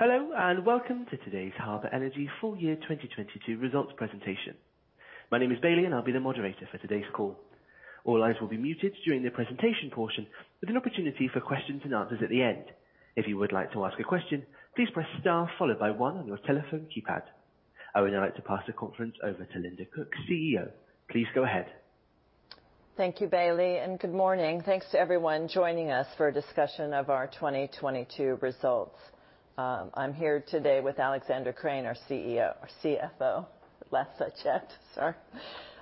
Hello, welcome to today's Harbour Energy Full Year 2022 Results Presentation. My name is Bailey, I'll be the moderator for today's call. All lines will be muted during the presentation portion with an opportunity for questions-and-answers at the end. If you would like to ask a question, please press star followed by one on your telephone keypad. I would now like to pass the conference over to Linda Cook, CEO. Please go ahead. Thank you, Bailey. Good morning. Thanks to everyone joining us for a discussion of our 2022 results. I'm here today with Alexander Krane, our CFO. Lets chat, sir.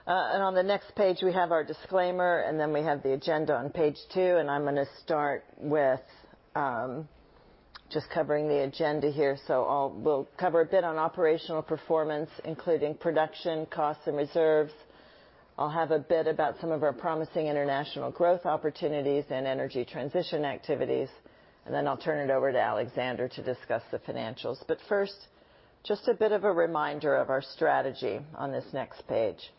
On the next page we have our disclaimer, and then we have the agenda on page two, and I'm gonna start with just covering the agenda here. We'll cover a bit on operational performance, including production, cost, and reserves. I'll have a bit about some of our promising international growth opportunities and energy transition activities, and then I'll turn it over to Alexander to discuss the financials. First, just a bit of a reminder of our strategy on this next page.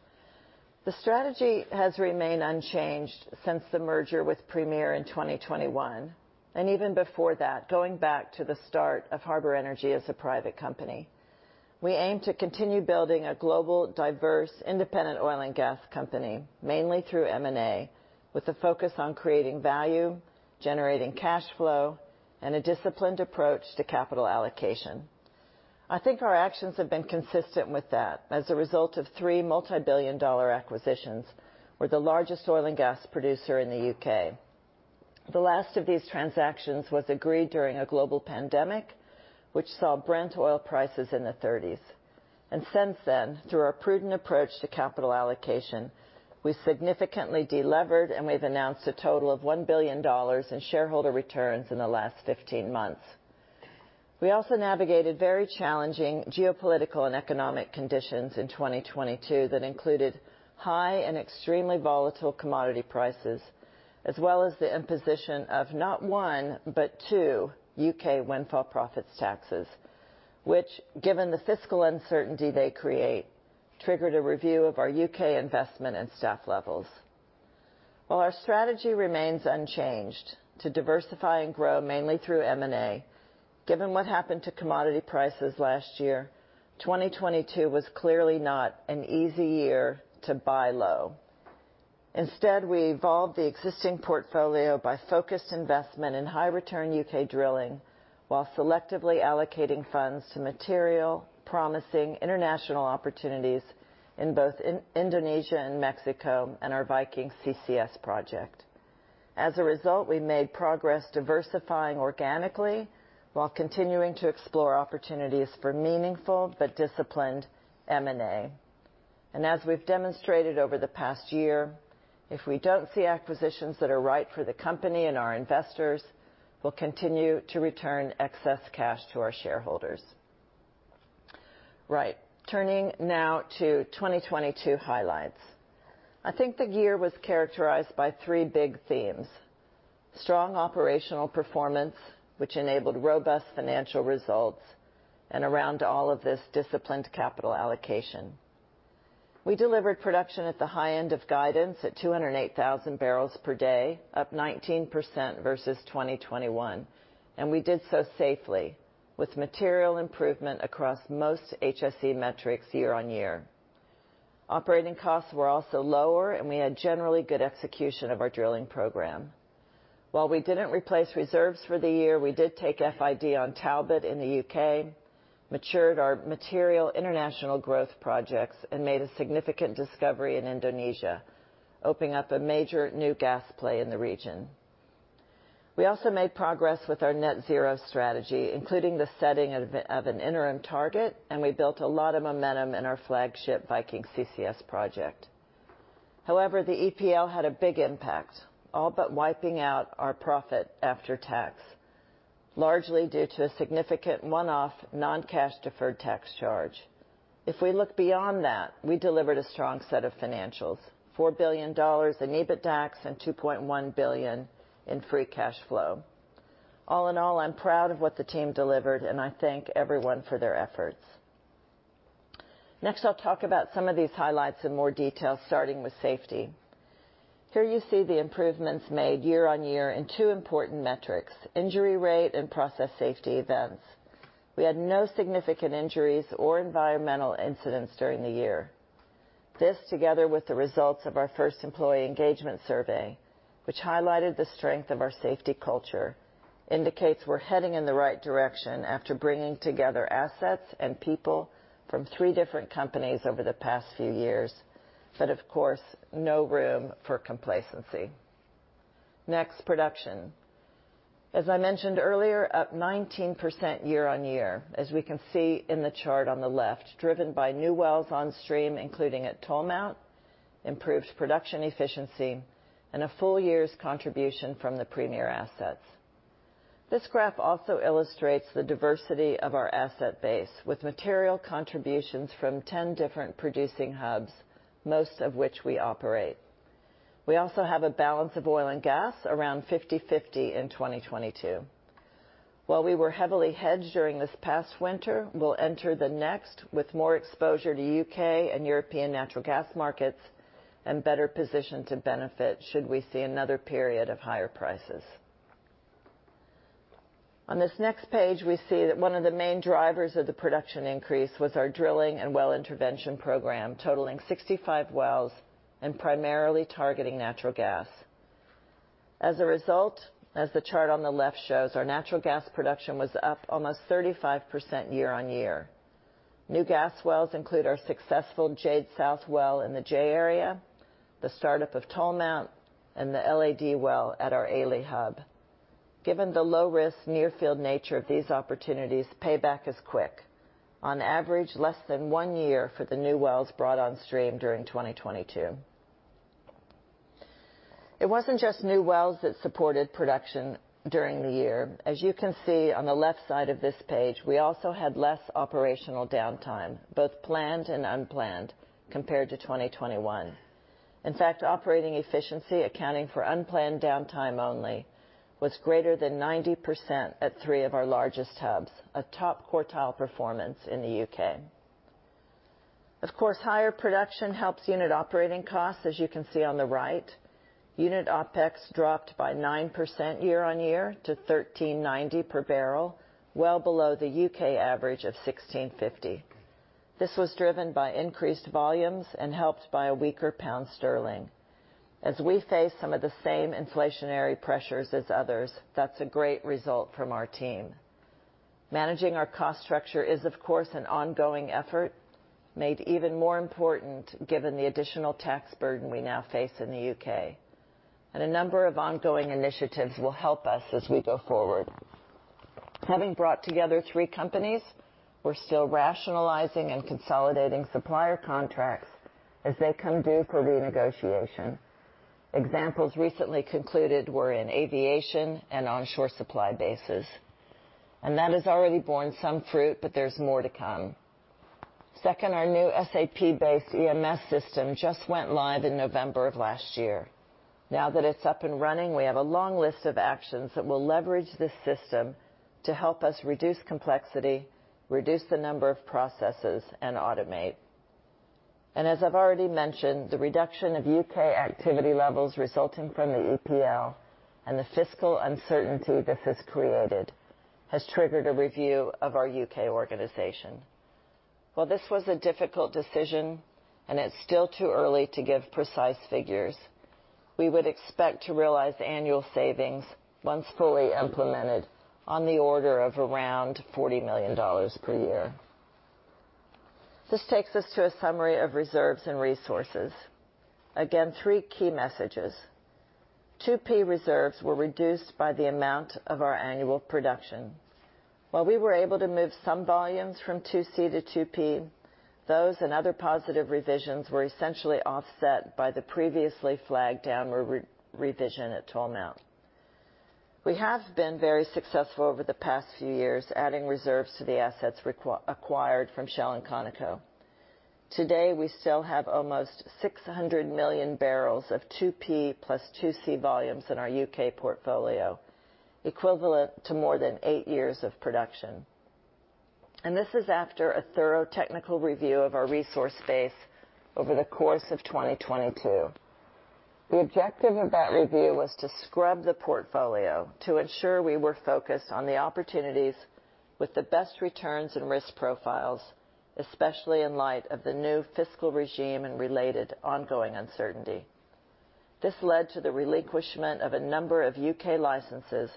The strategy has remained unchanged since the merger with Premier in 2021. Even before that, going back to the start of Harbour Energy as a private company. We aim to continue building a global, diverse, independent oil and gas company, mainly through M&A, with a focus on creating value, generating cash flow, and a disciplined approach to capital allocation. I think our actions have been consistent with that. As a result of 3 multi-billion dollar acquisitions, we're the largest oil and gas producer in the UK. The last of these transactions was agreed during a global pandemic, which saw Brent oil prices in the 30s. Since then, through our prudent approach to capital allocation, we significantly delivered, and we've announced a total of $1 billion in shareholder returns in the last 15 months. We also navigated very challenging geopolitical and economic conditions in 2022 that included high and extremely volatile commodity prices, as well as the imposition of not one but two UK windfall profits taxes, which, given the fiscal uncertainty they create, triggered a review of our UK investment and staff levels. While our strategy remains unchanged to diversify and grow mainly through M&A, given what happened to commodity prices last year, 2022 was clearly not an easy year to buy low. Instead, we evolved the existing portfolio by focused investment in high return UK drilling while selectively allocating funds to material, promising international opportunities in both Indonesia and Mexico, and our Viking CCS project. As a result, we made progress diversifying organically while continuing to explore opportunities for meaningful but disciplined M&A. And as we've demonstrated over the past year, if we don't see acquisitions that are right for the company and our investors, we'll continue to return excess cash to our shareholders. Right. Turning now to 2022 highlights. I think the year was characterized by three big themes: strong operational performance, which enabled robust financial results, and around all of this disciplined capital allocation. We delivered production at the high end of guidance at 208,000 bpd, up 19% versus 2021, and we did so safely with material improvement across most HSE metrics year-on-year. Operating costs were also lower, and we had generally good execution of our drilling program. While we didn't replace reserves for the year, we did take FID on Talbot in the UK, matured our material international growth projects and made a significant discovery in Indonesia, opening up a major new gas play in the region. We also made progress with our net zero strategy, including the setting of an interim target, and we built a lot of momentum in our flagship Viking CCS project. The EPL had a big impact, all but wiping out our profit after tax, largely due to a significant one-off non-cash deferred tax charge. We look beyond that, we delivered a strong set of financials, $4 billion in EBITDAX and $2.1 billion in free cash flow. All in all, I'm proud of what the team delivered, and I thank everyone for their efforts. Next I'll talk about some of these highlights in more detail, starting with safety. Here you see the improvements made year-on-year in two important metrics, injury rate and process safety events. We had no significant injuries or environmental incidents during the year. This, together with the results of our first employee engagement survey, which highlighted the strength of our safety culture, indicates we're heading in the right direction after bringing together assets and people from three different companies over the past few years. Of course, no room for complacency. Production. As I mentioned earlier, up 19% year-on-year, as we can see in the chart on the left, driven by new wells on stream, including at Tolmount, improved production efficiency, and a full year's contribution from the Premier assets. This graph also illustrates the diversity of our asset base with material contributions from 10 different producing hubs, most of which we operate. We also have a balance of oil and gas around 50/50 in 2022. While we were heavily hedged during this past winter, we'll enter the next with more exposure to UK and European natural gas markets and better positioned to benefit should we see another period of higher prices. On this next page, we see that one of the main drivers of the production increase was our drilling and well intervention program, totaling 65 wells and primarily targeting natural gas. As a result, as the chart on the left shows, our natural gas production was up almost 35% year-on-year. New gas wells include our successful Jade South well in the J-Area, the startup of Tolmount, and the LAD well at our AELE Hub. Given the low risk near-field nature of these opportunities, payback is quick. On average, less than one year for the new wells brought on stream during 2022. It wasn't just new wells that supported production during the year. As you can see on the left side of this page, we also had less operational downtime, both planned and unplanned compared to 2021. In fact, operating efficiency accounting for unplanned downtime only was greater than 90% at three of our largest hubs, a top quartile performance in the UK Of course, higher production helps unit operating costs, as you can see on the right. Unit OpEx dropped by 9% year-over-year to 13.90 per barrel, well below the UK average of 16.50. This was driven by increased volumes and helped by a weaker pound sterling. As we face some of the same inflationary pressures as others, that's a great result from our team. Managing our cost structure is, of course, an ongoing effort made even more important given the additional tax burden we now face in the UK. A number of ongoing initiatives will help us as we go forward. Having brought together three companies, we're still rationalizing and consolidating supplier contracts as they come due for renegotiation. Examples recently concluded were in aviation and onshore supply bases. That has already borne some fruit, but there's more to come. Second, our new SAP-based EMS system just went live in November of last year. Now that it's up and running, we have a long list of actions that will leverage this system to help us reduce complexity, reduce the number of processes, and automate. And as I've already mentioned, the reduction of UK activity levels resulting from the EPL and the fiscal uncertainty this has created has triggered a review of our UK organization. While this was a difficult decision, and it's still too early to give precise figures, we would expect to realize annual savings once fully implemented on the order of around $40 million per year. This takes us to a summary of reserves and resources. Again, three key messages. 2P reserves were reduced by the amount of our annual production. While we were able to move some volumes from 2C to 2P, those and other positive revisions were essentially offset by the previously flagged down revision at Tolmount. We have been very successful over the past few years, adding reserves to the assets acquired from Shell and Conoco. Today, we still have almost 600 MMb of 2P plus 2C volumes in our UK portfolio, equivalent to more than eight years of production. This is after a thorough technical review of our resource base over the course of 2022. The objective of that review was to scrub the portfolio to ensure we were focused on the opportunities with the best returns and risk profiles, especially in light of the new fiscal regime and related ongoing uncertainty. This led to the relinquishment of a number of UK licenses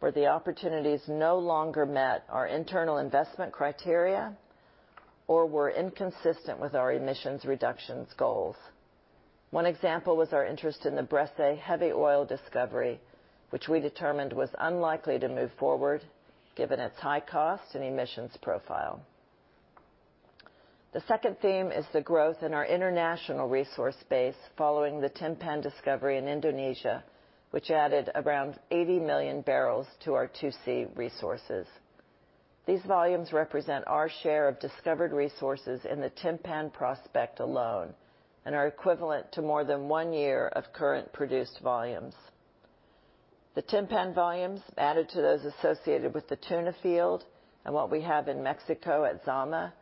where the opportunities no longer met our internal investment criteria or were inconsistent with our emissions reductions goals. One example was our interest in the Bressay heavy oil discovery, which we determined was unlikely to move forward given its high cost and emissions profile. The second theme is the growth in our international resource base following the Timpan discovery in Indonesia, which added around 80 MMb to our 2C resources. These volumes represent our share of discovered resources in the Timpan prospect alone and are equivalent to more than one year of current produced volumes. The Timpan volumes added to those associated with the Tuna field and what we have in Mexico at Zama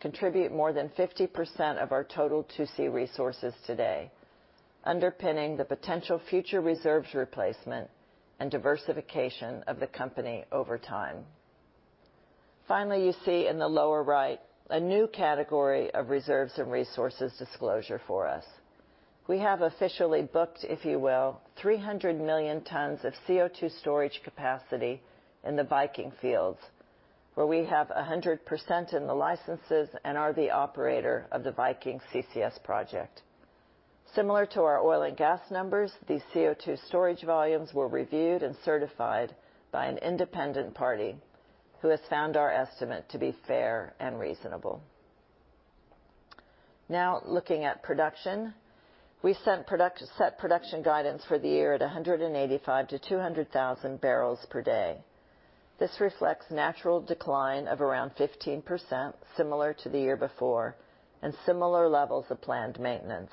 contribute more than 50% of our total 2C resources today, underpinning the potential future reserves replacement and diversification of the company over time. Finally, you see in the lower right a new category of reserves and resources disclosure for us. We have officially booked, if you will, 300 million tons of CO2 storage capacity in the Viking fields, where we have 100% in the licenses and are the operator of the Viking CCS project. Similar to our oil and gas numbers, these CO2 storage volumes were reviewed and certified by an independent party who has found our estimate to be fair and reasonable. Looking at production. We set production guidance for the year at 185,000-200,000 bpd. This reflects natural decline of around 15% similar to the year before and similar levels of planned maintenance.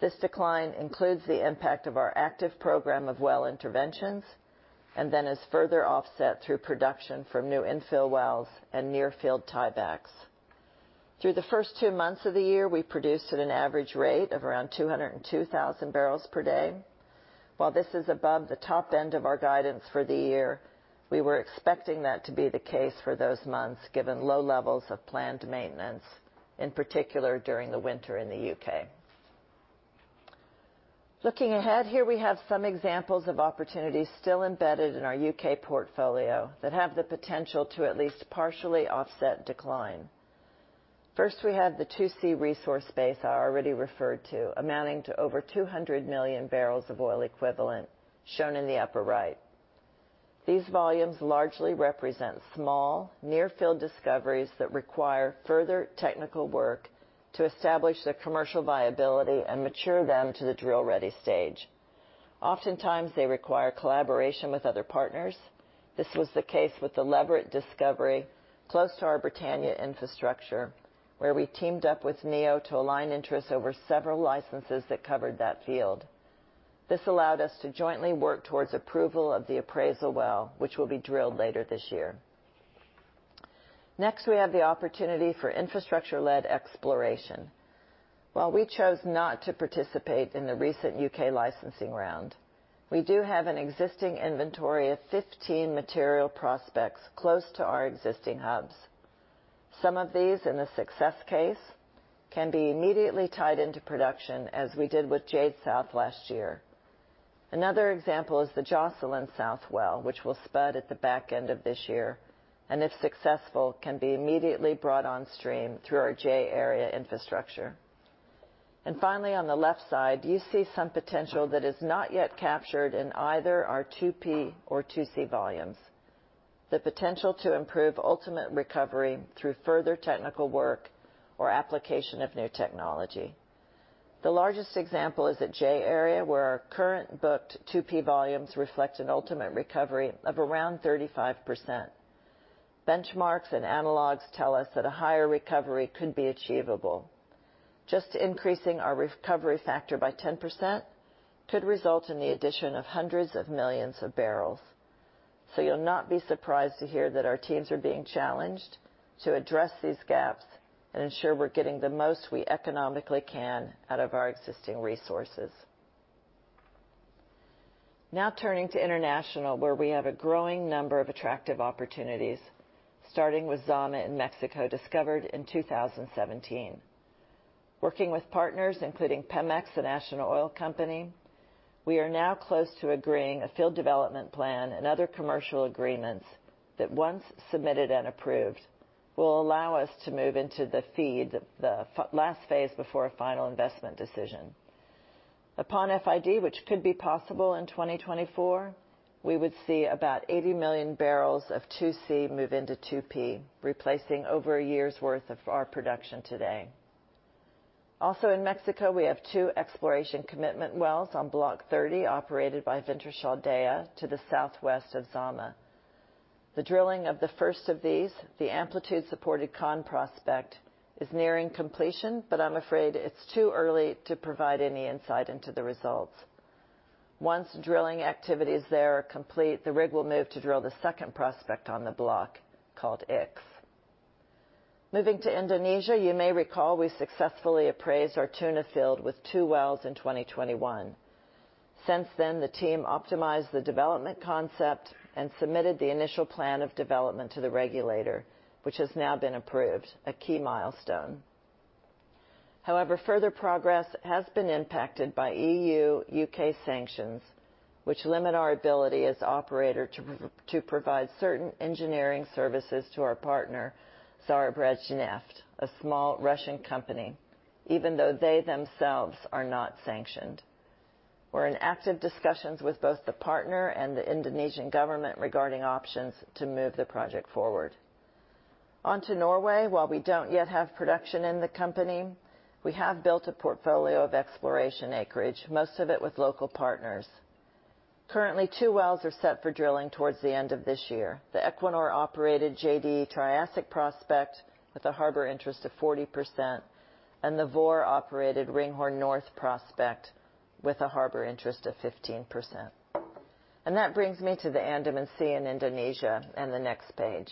This decline includes the impact of our active program of well interventions is further offset through production from new infill wells and near-field tiebacks. Through the first two months of the year, we produced at an average rate of around 202,000 bpd. While this is above the top end of our guidance for the year, we were expecting that to be the case for those months, given low levels of planned maintenance, in particular during the winter in the UK Looking ahead, here we have some examples of opportunities still embedded in our UK portfolio that have the potential to at least partially offset decline. First, we have the 2C resource base I already referred to, amounting to over 200 MMb of oil equivalent shown in the upper right. These volumes largely represent small near-field discoveries that require further technical work to establish their commercial viability and mature them to the drill ready stage. Oftentimes, they require collaboration with other partners. This was the case with the Leverett discovery close to our Britannia infrastructure, where we teamed up with NEO to align interests over several licenses that covered that field. This allowed us to jointly work towards approval of the appraisal well, which will be drilled later this year. Next, we have the opportunity for infrastructure-led exploration. While we chose not to participate in the recent UK licensing round, we do have an existing inventory of 15 material prospects close to our existing hubs. Some of these, in the success case, can be immediately tied into production, as we did with Jade South last year. Another example is the Jocelyn South well, which will spud at the back end of this year, and if successful, can be immediately brought on stream through our J-Area infrastructure. Finally, on the left side, you see some potential that is not yet captured in either our 2P or 2C volumes, the potential to improve ultimate recovery through further technical work or application of new technology. The largest example is at J-Area, where our current booked 2P volumes reflect an ultimate recovery of around 35%. Benchmarks and analogs tell us that a higher recovery could be achievable. Just increasing our recovery factor by 10% could result in the addition of hundreds of millions of barrels. You'll not be surprised to hear that our teams are being challenged to address these gaps and ensure we're getting the most we economically can out of our existing resources. Turning to international, where we have a growing number of attractive opportunities, starting with Zama in Mexico, discovered in 2017. Working with partners, including Pemex, the national oil company, we are now close to agreeing a field development plan and other commercial agreements that once submitted and approved, will allow us to move into the FEED, the last phase before a final investment decision. Upon FID, which could be possible in 2024, we would see about 80 MMb of 2C move into 2P, replacing over a year's worth of our production today. In Mexico, we have two exploration commitment wells on Block 30, operated by Wintershall Dea to the southwest of Zama. The drilling of the first of these, the amplitude-supported Khan prospect, is nearing completion, I'm afraid it's too early to provide any insight into the results. Once drilling activities there are complete, the rig will move to drill the second prospect on the block, called X. Moving to Indonesia, you may recall we successfully appraised our Tuna field with two wells in 2021. Since then, the team optimized the development concept and submitted the initial plan of development to the regulator, which has now been approved, a key milestone. However, further progress has been impacted by EU-UK sanctions, which limit our ability as operator to provide certain engineering services to our partner, Zarubezhneft, a small Russian company, even though they themselves are not sanctioned. We're in active discussions with both the partner and the Indonesian government regarding options to move the project forward. On to Norway. While we don't yet have production in the company, we have built a portfolio of exploration acreage, most of it with local partners. Currently, two wells are set for drilling towards the end of this year. The Equinor-operated JD Triassic prospect with a Harbour interest of 40% and the Vår-operated Ringhorne North prospect with a Harbour interest of 15%. That brings me to the Andaman Sea in Indonesia and the next page.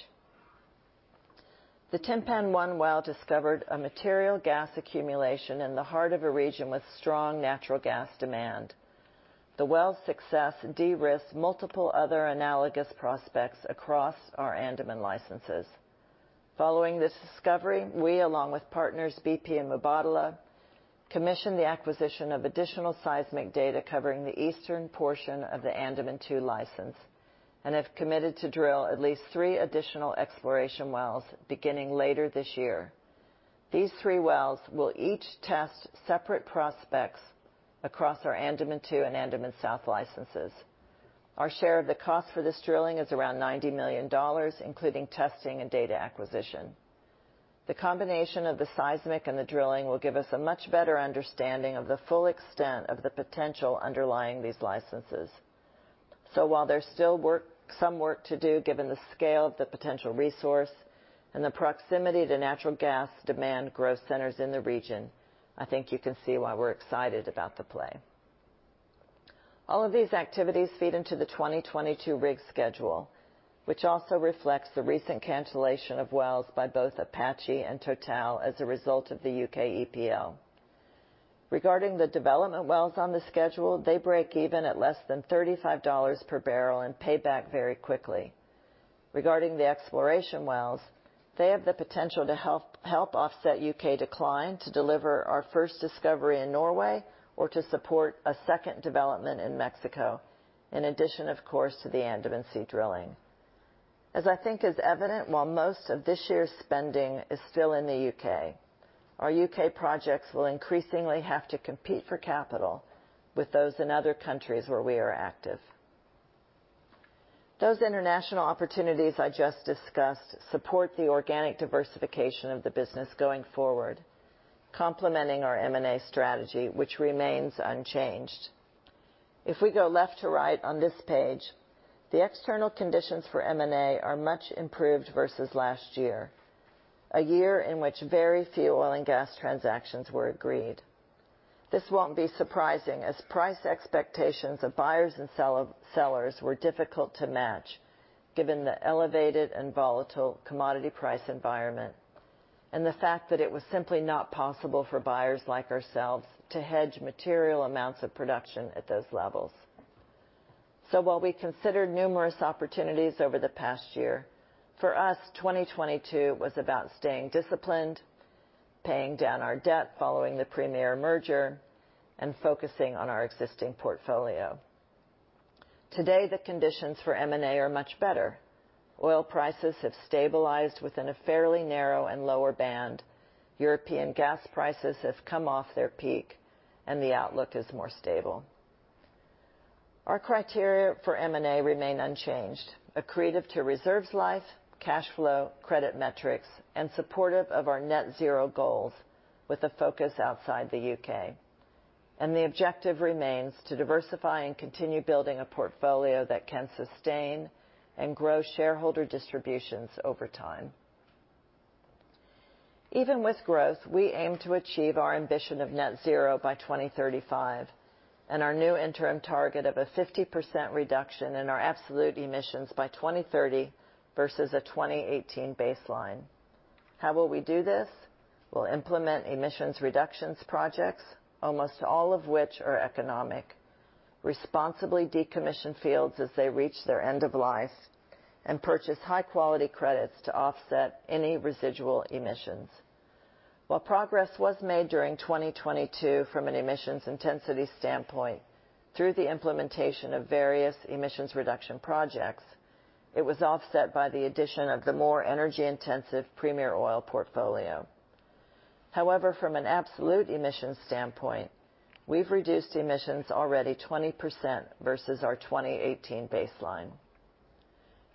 The Timpan-1 well discovered a material gas accumulation in the heart of a region with strong natural gas demand. The well's success de-risked multiple other analogous prospects across our Andaman licenses. Following this discovery, we, along with partners BP and Mubadala, commissioned the acquisition of additional seismic data covering the eastern portion of the Andaman Two license and have committed to drill at least three additional exploration wells beginning later this year. These three wells will each test separate prospects across our Andaman Two and Andaman South licenses. Our share of the cost for this drilling is around $90 million, including testing and data acquisition. The combination of the seismic and the drilling will give us a much better understanding of the full extent of the potential underlying these licenses. While there's still some work to do, given the scale of the potential resource and the proximity to natural gas demand growth centers in the region, I think you can see why we're excited about the play. All of these activities feed into the 2022 rig schedule, which also reflects the recent cancellation of wells by both Apache and Total as a result of the UK EPL. Regarding the development wells on the schedule, they break even at less than $35 per barrel and pay back very quickly. Regarding the exploration wells, they have the potential to help offset UK decline to deliver our first discovery in Norway or to support a second development in Mexico, in addition, of course, to the Andamán Sea drilling. As I think is evident, while most of this year's spending is still in the UK, our UK projects will increasingly have to compete for capital with those in other countries where we are active. Those international opportunities I just discussed support the organic diversification of the business going forward, complementing our M&A strategy, which remains unchanged. If we go left to right on this page, the external conditions for M&A are much improved versus last year. A year in which very few oil and gas transactions were agreed. This won't be surprising as price expectations of buyers and sell-sellers were difficult to match, given the elevated and volatile commodity price environment and the fact that it was simply not possible for buyers like ourselves to hedge material amounts of production at those levels. While we considered numerous opportunities over the past year, for us, 2022 was about staying disciplined, paying down our debt following the Premier merger, and focusing on our existing portfolio. Today, the conditions for M&A are much better. Oil prices have stabilized within a fairly narrow and lower band. European gas prices have come off their peak, and the outlook is more stable. Our criteria for M&A remain unchanged. Accretive to reserves life, cash flow, credit metrics, and supportive of our net zero goals with a focus outside the UK. And the objective remains to diversify and continue building a portfolio that can sustain and grow shareholder distributions over time. Even with growth, we aim to achieve our ambition of net zero by 2035 and our new interim target of a 50% reduction in our absolute emissions by 2030 versus a 2018 baseline. How will we do this? We'll implement emissions reductions projects, almost all of which are economic. Responsibly decommission fields as they reach their end of life and purchase high-quality credits to offset any residual emissions. While progress was made during 2022 from an emissions intensity standpoint through the implementation of various emissions reduction projects, it was offset by the addition of the more energy-intensive Premier Oil portfolio. From an absolute emissions standpoint, we've reduced emissions already 20% versus our 2018 baseline.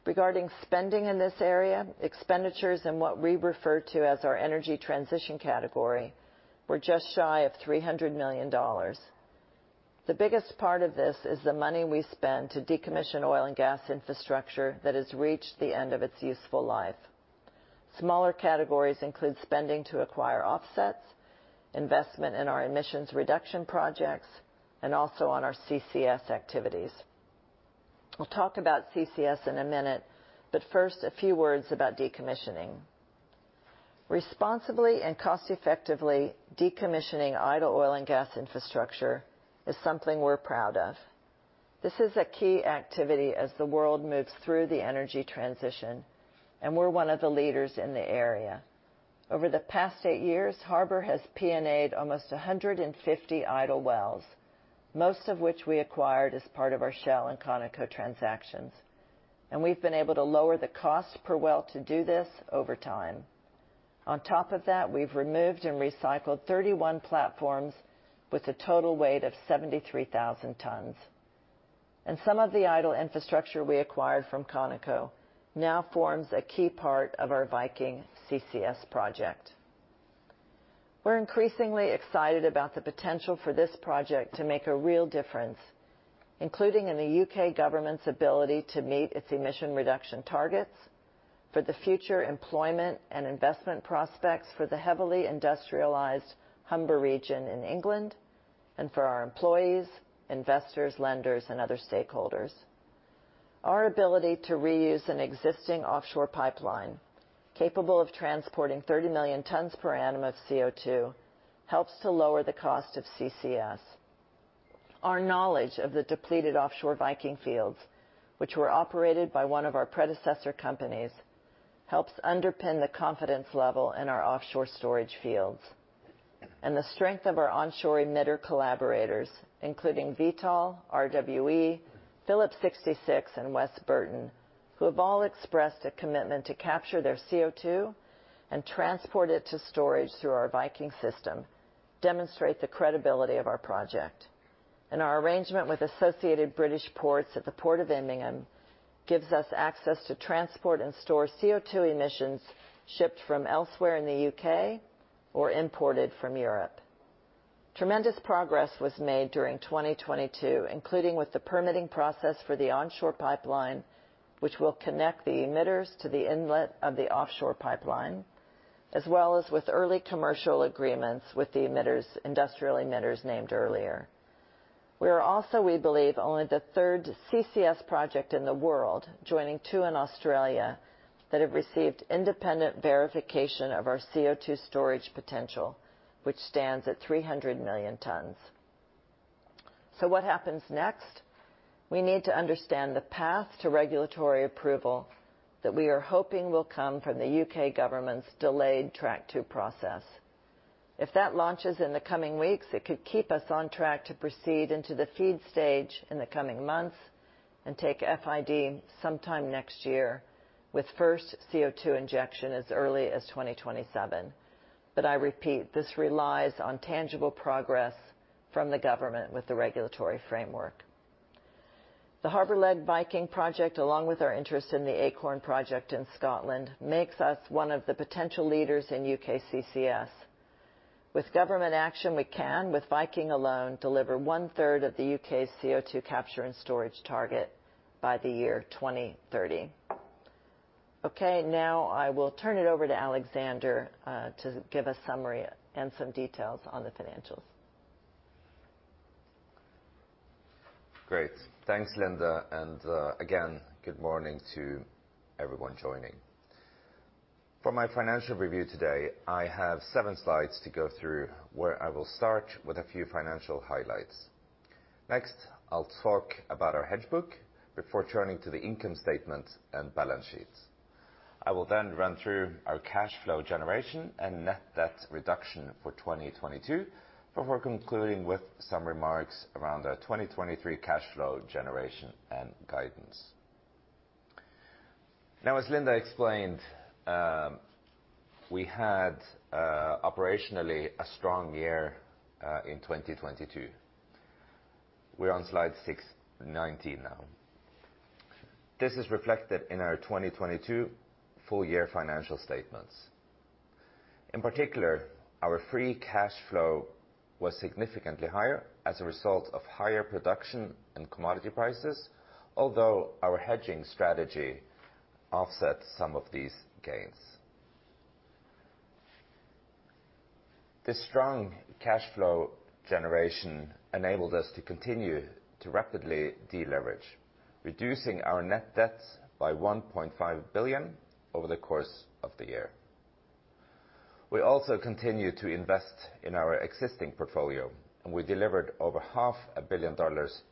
Regarding spending in this area, expenditures in what we refer to as our energy transition category were just shy of $300 million. The biggest part of this is the money we spend to decommission oil and gas infrastructure that has reached the end of its useful life. Smaller categories include spending to acquire offsets, investment in our emissions reduction projects, and also on our CCS activities. We'll talk about CCS in a minute, but first, a few words about decommissioning. Responsibly and cost-effectively decommissioning idle oil and gas infrastructure is something we're proud of. This is a key activity as the world moves through the energy transition, and we're one of the leaders in the area. Over the past eight years, Harbour has P&A'd almost 150 idle wells, most of which we acquired as part of our Shell and Conoco transactions. And we've been able to lower the cost per well to do this over time. On top of that, we've removed and recycled 31 platforms with a total weight of 73,000 tons. Some of the idle infrastructure we acquired from Conoco now forms a key part of our Viking CCS project. We're increasingly excited about the potential for this project to make a real difference, including in the UK. government's ability to meet its emission reduction targets for the future employment and investment prospects for the heavily industrialized Humber region in England, and for our employees, investors, lenders, and other stakeholders. Our ability to reuse an existing offshore pipeline capable of transporting 30 million tons per annum of CO2 helps to lower the cost of CCS. Our knowledge of the depleted offshore Viking fields, which were operated by one of our predecessor companies, helps underpin the confidence level in our offshore storage fields. The strength of our onshore emitter collaborators, including Vitol, RWE, Phillips 66, and West Burton, who have all expressed a commitment to capture their CO2 and transport it to storage through our Viking system, demonstrate the credibility of our project. Our arrangement with Associated British Ports at the Port of Immingham gives us access to transport and store CO2 emissions shipped from elsewhere in the UK or imported from Europe. Tremendous progress was made during 2022, including with the permitting process for the onshore pipeline, which will connect the emitters to the inlet of the offshore pipeline. As well as with early commercial agreements with the emitters, industrial emitters named earlier. We are also, we believe, only the third CCS project in the world, joining two in Australia, that have received independent verification of our CO2 storage potential, which stands at 300 million tons. What happens next? We need to understand the path to regulatory approval that we are hoping will come from the UK government's delayed track two process. If that launches in the coming weeks, it could keep us on track to proceed into the FEED stage in the coming months and take FID sometime next year, with first CO2 injection as early as 2027. I repeat, this relies on tangible progress from the government with the regulatory framework. The Harbour-led Viking project, along with our interest in the Acorn project in Scotland, makes us one of the potential leaders in UK CCS. With government action, we can, with Viking alone, deliver one-third of the UK's CO2 capture and storage target by the year 2030. Ok, now I will turn it over to Alexander to give a summary and some details on the financials. Great. Thanks, Linda. Again, good morning to everyone joining. For my financial review today, I have seven slides to go through where I will start with a few financial highlights. Next, I'll talk about our hedge book before turning to the income statement and balance sheets. I will then run through our cash flow generation and net debt reduction for 2022 before concluding with some remarks around our 2023 cash flow generation and guidance. As Linda explained, we had operationally a strong year in 2022. We're on slide 619 now. This is reflected in our 2022 full year financial statements. In particular, our free cash flow was significantly higher as a result of higher production and commodity prices, although our hedging strategy offset some of these gains. The strong cash flow generation enabled us to continue to rapidly deleverage, reducing our net debt by $1.5 billion over the course of the year. We also continued to invest in our existing portfolio, and we delivered over $0.5 billion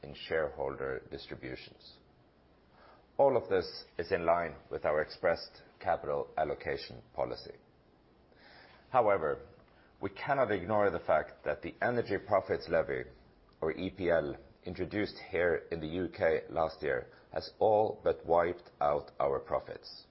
in shareholder distributions. All of this is in line with our expressed capital allocation policy. However, we cannot ignore the fact that the Energy Profits Levy, or EPL, introduced here in the UK last year has all but wiped out our profits.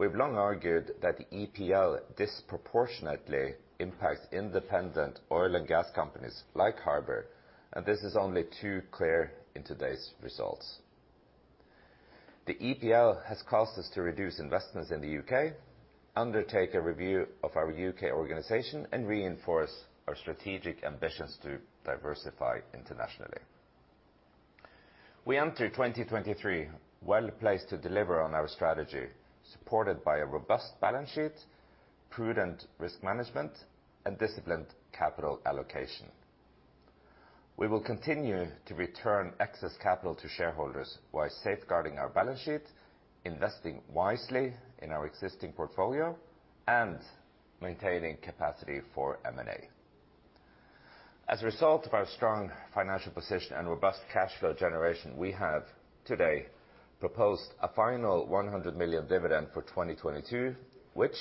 We've long argued that the EPL disproportionately impacts independent oil and gas companies like Harbour, and this is only too clear in today's results. The EPL has caused us to reduce investments in the UK, undertake a review of our UK organization, and reinforce our strategic ambitions to diversify internationally. We enter 2023 well-placed to deliver on our strategy, supported by a robust balance sheet, prudent risk management, and disciplined capital allocation. We will continue to return excess capital to shareholders while safeguarding our balance sheet, investing wisely in our existing portfolio, and maintaining capacity for M&A. As a result of our strong financial position and robust cash flow generation, we have today proposed a final $100 million dividend for 2022, which,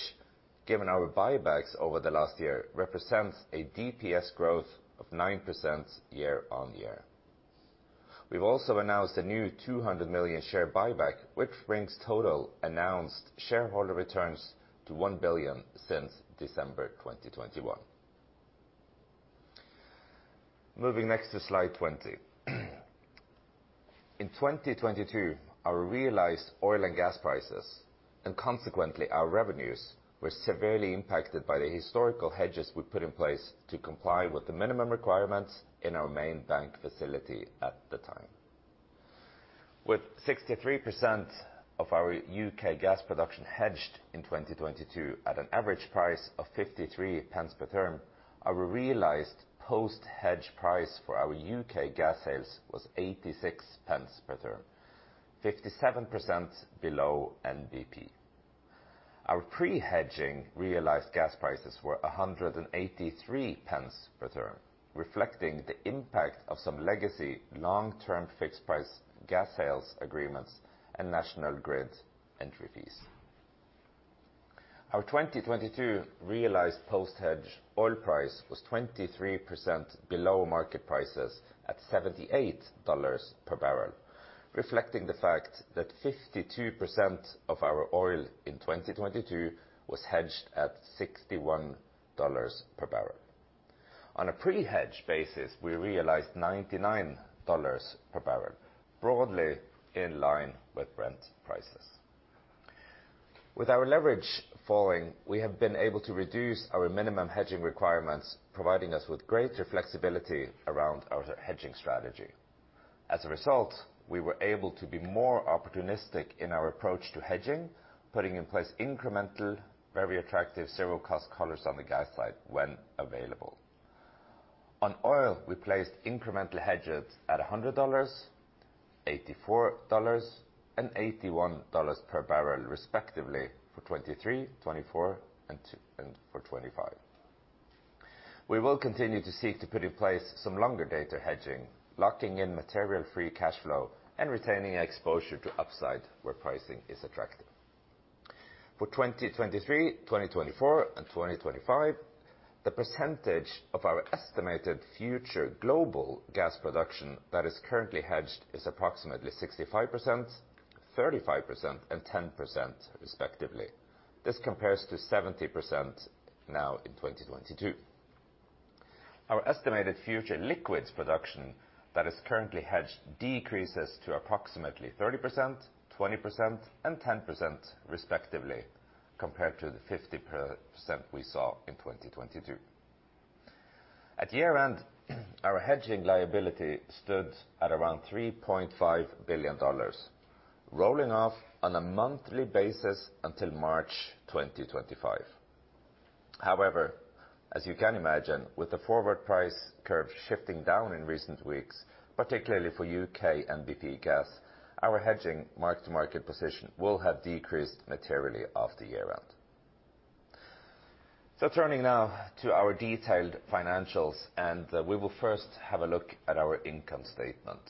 given our buybacks over the last year, represents a DPS growth of 9% year-on-year. We've also announced a new $200 million share buyback, which brings total announced shareholder returns to $1 billion since December 2021. Moving next to slide 20. In 2022, our realized oil and gas prices, and consequently our revenues, were severely impacted by the historical hedges we put in place to comply with the minimum requirements in our main bank facility at the time. With 63% of our UK gas production hedged in 2022 at an average price of 53 pence per term, our realized post-hedge price for our UK gas sales was 86 pence per term, 57% below NBP. Our pre-hedging realized gas prices were 183 pence per term, reflecting the impact of some legacy long-term fixed price gas sales agreements and national grid entry fees. Our 2022 realized post-hedge oil price was 23% below market prices at $78 per barrel, reflecting the fact that 52% of our oil in 2022 was hedged at $61 per barrel. On a pre-hedge basis, we realized $99 per barrel, broadly in line with Brent prices. With our leverage falling, we have been able to reduce our minimum hedging requirements, providing us with greater flexibility around our hedging strategy. As a result, we were able to be more opportunistic in our approach to hedging, putting in place incremental, very attractive zero cost collars on the gas side when available. On oil, we placed incremental hedges at $100, $84, and $81 per barrel respectively for 2023, 2024, and for 2025. We will continue to seek to put in place some longer-dated hedging, locking in material free cash flow and retaining exposure to upside where pricing is attractive. For 2023, 2024, and 2025, the percentage of our estimated future global gas production that is currently hedged is approximately 65%, 35%, and 10% respectively. This compares to 70% now in 2022. Our estimated future liquids production that is currently hedged decreases to approximately 30%, 20%, and 10% respectively, compared to the 50% we saw in 2022. At year-end, our hedging liability stood at around $3.5 billion, rolling off on a monthly basis until March 2025. As you can imagine, with the forward price curve shifting down in recent weeks, particularly for UK NBP gas, our hedging mark-to-market position will have decreased materially after year-end. Turning now to our detailed financials, we will first have a look at our income statement.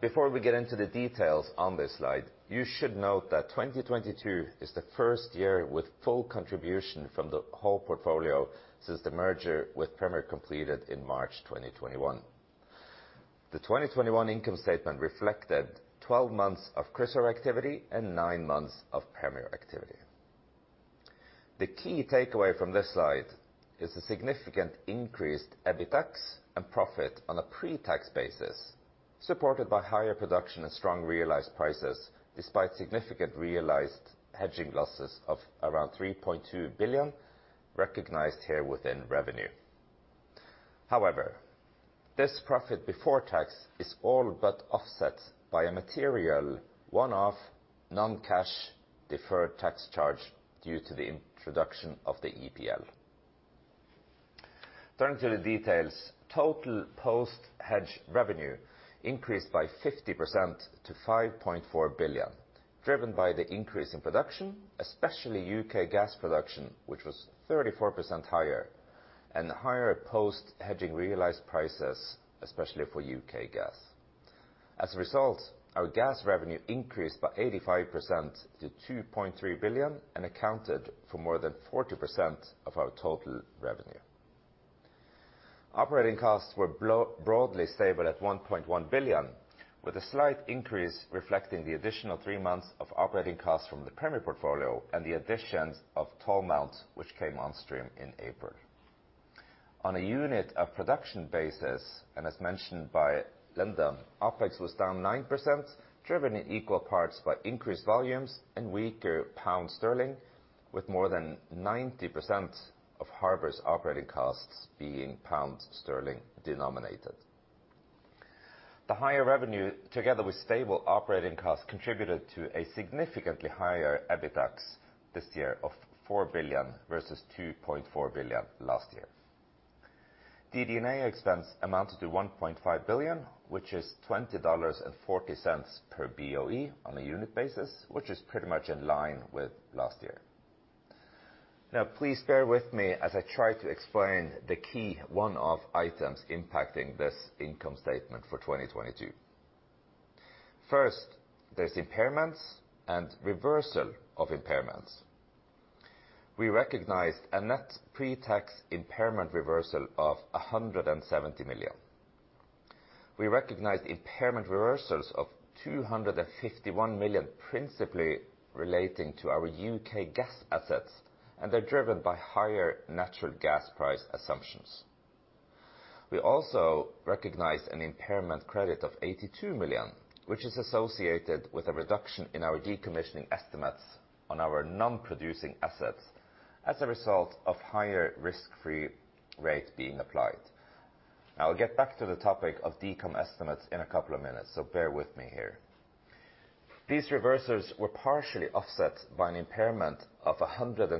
Before we get into the details on this slide, you should note that 2022 is the first year with full contribution from the whole portfolio since the merger with Premier completed in March 2021. The 2021 income statement reflected 12 months of Chrysaor activity and nine months of Premier activity. The key takeaway from this slide is a significant increased EBITDAX and profit on a pre-tax basis, supported by higher production and strong realized prices, despite significant realized hedging losses of around $3.2 billion recognized here within revenue. This profit before tax is all but offset by a material one-off non-cash deferred tax charge due to the introduction of the EPL. Turning to the details, total post-hedge revenue increased by 50% to $5.4 billion, driven by the increase in production, especially UK gas production, which was 34% higher, and higher post-hedging realized prices, especially for UK gas. Our gas revenue increased by 85% to $2.3 billion and accounted for more than 40% of our total revenue. Operating costs were broadly stable at $1.1 billion, with a slight increase reflecting the additional three months of operating costs from the Premier portfolio and the addition of Tolmount, which came on stream in April. On a unit of production basis, and as mentioned by Linda, OpEx was down 9%, driven in equal parts by increased volumes and weaker pound sterling, with more than 90% of Harbour's operating costs being pound sterling denominated. The higher revenue, together with stable operating costs, contributed to a significantly higher EBITDAX this year of $4 billion versus $2.4 billion last year. DD&A expense amounted to $1.5 billion, which is $20.40 per BOE on a unit basis, which is pretty much in line with last year. Please bear with me as I try to explain the key one-off items impacting this income statement for 2022. First, there's impairments and reversal of impairments. We recognized a net pre-tax impairment reversal of $170 million. We recognized impairment reversals of $251 million, principally relating to our UK gas assets, and are driven by higher natural gas price assumptions. We also recognized an impairment credit of $82 million, which is associated with a reduction in our decommissioning estimates on our non-producing assets as a result of higher risk-free rate being applied. I'll get back to the topic of decom estimates in a couple of minutes, bear with me here. These reversals were partially offset by an impairment of $163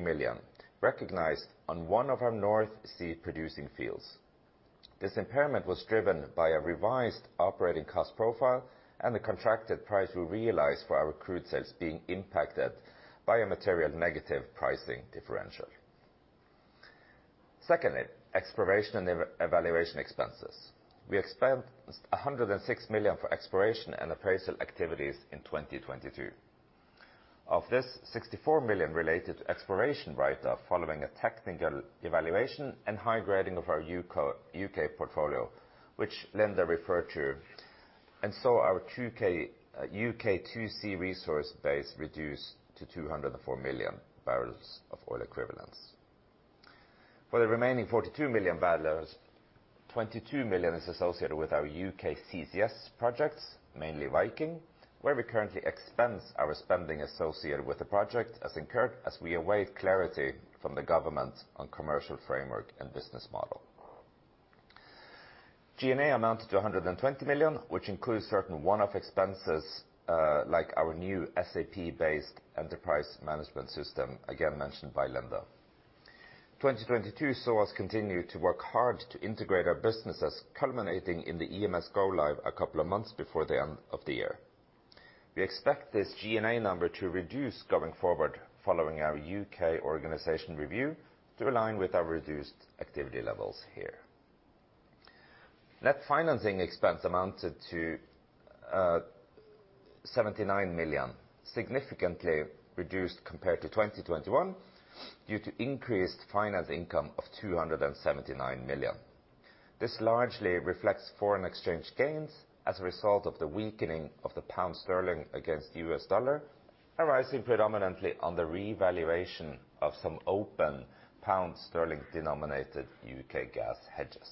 million recognized on one of our North Sea producing fields. This impairment was driven by a revised operating cost profile and the contracted price we realized for our crude sales being impacted by a material negative pricing differential. exploration and evaluation expenses. We spent $106 million for exploration and appraisal activities in 2022. Of this, $64 million related to exploration write-off following a technical evaluation and high grading of our UK portfolio, which Linda referred to, and saw our UK 2C resource base reduce to 204 MMb of oil equivalents. For the remaining $42 million, $22 million is associated with our UK CCS projects, mainly Viking, where we currently expense our spending associated with the project as incurred as we await clarity from the government on commercial framework and business model. G&A amounted to $120 million, which includes certain one-off expenses, like our new SAP-based enterprise management system, again mentioned by Linda. 2022 saw us continue to work hard to integrate our businesses, culminating in the EMS go live a couple of months before the end of the year. We expect this G&A number to reduce going forward following our UK organization review to align with our reduced activity levels here. Net financing expense amounted to $79 million, significantly reduced compared to 2021 due to increased finance income of $279 million. This largely reflects foreign exchange gains as a result of the weakening of the pound sterling against the US dollar, arising predominantly on the revaluation of some open pound sterling denominated UK gas hedges.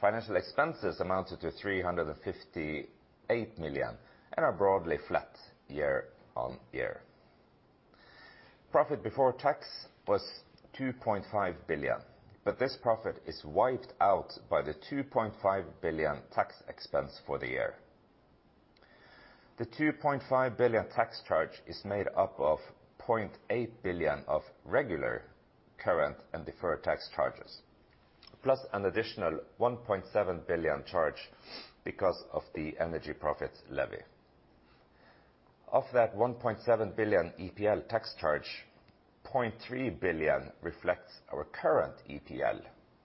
Financial expenses amounted to $358 million and are broadly flat year-on-year. Profit before tax was $2.5 billion, this profit is wiped out by the $2.5 billion tax expense for the year. The $2.5 billion tax charge is made up of $0.8 billion of regular current and deferred tax charges, plus an additional $1.7 billion charge because of the Energy Profits Levy. Of that $1.7 billion EPL tax charge, $0.3 billion reflects our current EPL.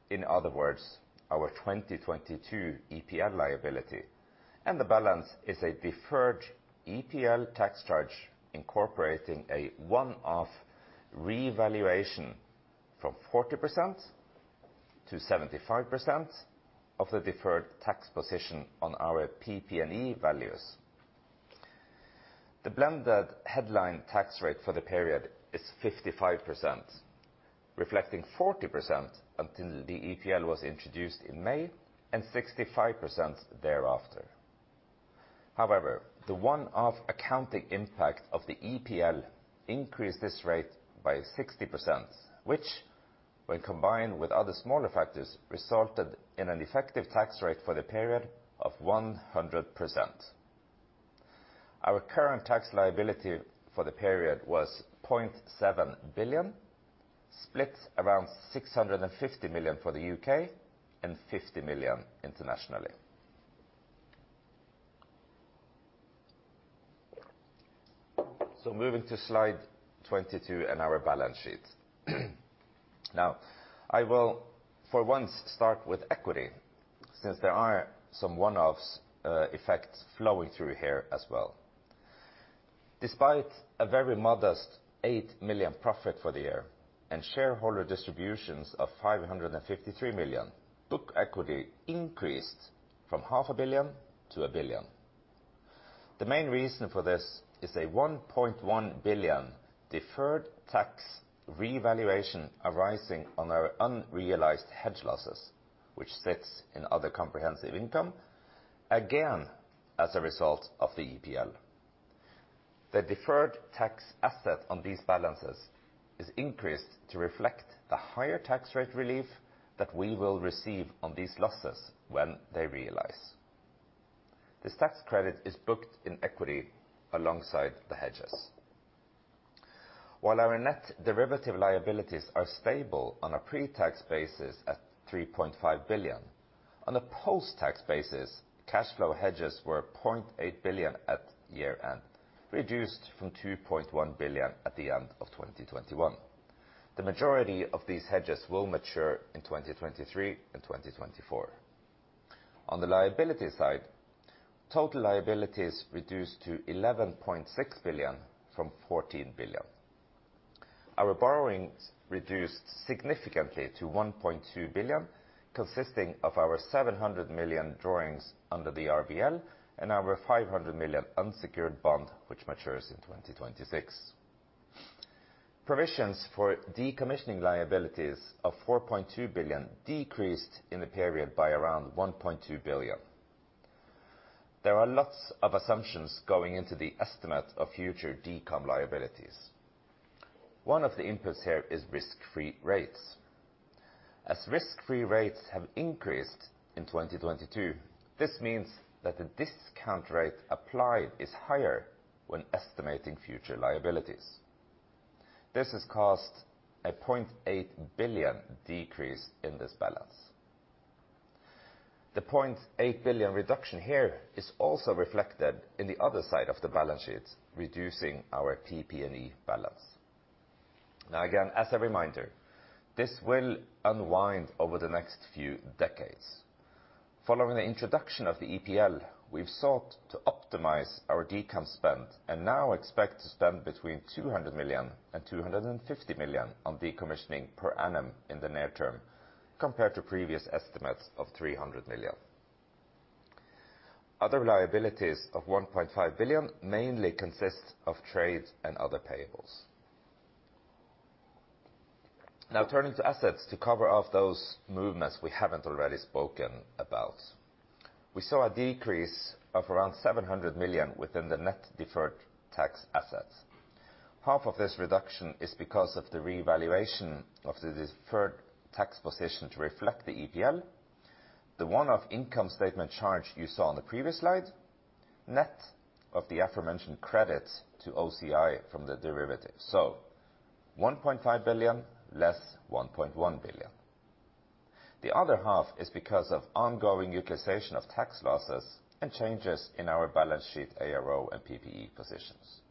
In other words, our 2022 EPL liability and the balance is a deferred EPL tax charge incorporating a one-off revaluation from 40% to 75% of the deferred tax position on our PP&E values. The blended headline tax rate for the period is 55%, reflecting 40% until the EPL was introduced in May, and 65% thereafter. However, the one-off accounting impact of the EPL increased this rate by 60%, which when combined with other smaller factors, resulted in an effective tax rate for the period of 100%. Our current tax liability for the period was $0.7 billion, split around $650 million for the UK and $50 million internationally. Moving to slide 22 and our balance sheet. I will for once start with equity, since there are some one-offs effects flowing through here as well. Despite a very modest $8 million profit for the year and shareholder distributions of $553 million, book equity increased from $0.5 billion to $1 billion. The main reason for this is a $1.1 billion deferred tax revaluation arising on our unrealized hedge losses, which sits in other comprehensive income, again, as a result of the EPL. The deferred tax asset on these balances is increased to reflect the higher tax rate relief that we will receive on these losses when they realize. This tax credit is booked in equity alongside the hedges. While our net derivative liabilities are stable on a pre-tax basis at $3.5 billion, on a post-tax basis, cash flow hedges were $0.8 billion at year-end, reduced from $2.1 billion at the end of 2021. The majority of these hedges will mature in 2023 and 2024. On the liability side, total liability is reduced to $11.6 billion from $14 billion. Our borrowings reduced significantly to $1.2 billion, consisting of our $700 million drawings under the RBL and our $500 million unsecured bond, which matures in 2026. Provisions for decommissioning liabilities of $4.2 billion decreased in the period by around $1.2 billion. There are lots of assumptions going into the estimate of future decom liabilities. One of the inputs here is risk-free rates. As risk-free rates have increased in 2022, this means that the discount rate applied is higher when estimating future liabilities. This has caused a $0.8 billion decrease in this balance. The $0.8 billion reduction here is also reflected in the other side of the balance sheet, reducing our PP&E balance. Now again, as a reminder, this will unwind over the next few decades. Following the introduction of the EPL, we've sought to optimize our decom spend and now expect to spend between $200 million and $250 million on decommissioning per annum in the near term, compared to previous estimates of $300 million. Other liabilities of $1.5 billion mainly consist of trades and other payables. Now, turning to assets to cover off those movements we haven't already spoken about. We saw a decrease of around $700 million within the net deferred tax assets. Half of this reduction is because of the revaluation of the deferred tax position to reflect the EPL. The one-off income statement charge you saw on the previous slide, net of the aforementioned credit to OCI from the derivative. $1.5 billion less $1.1 billion. The other half is because of ongoing utilization of tax losses and changes in our balance sheet ARO and PPE positions.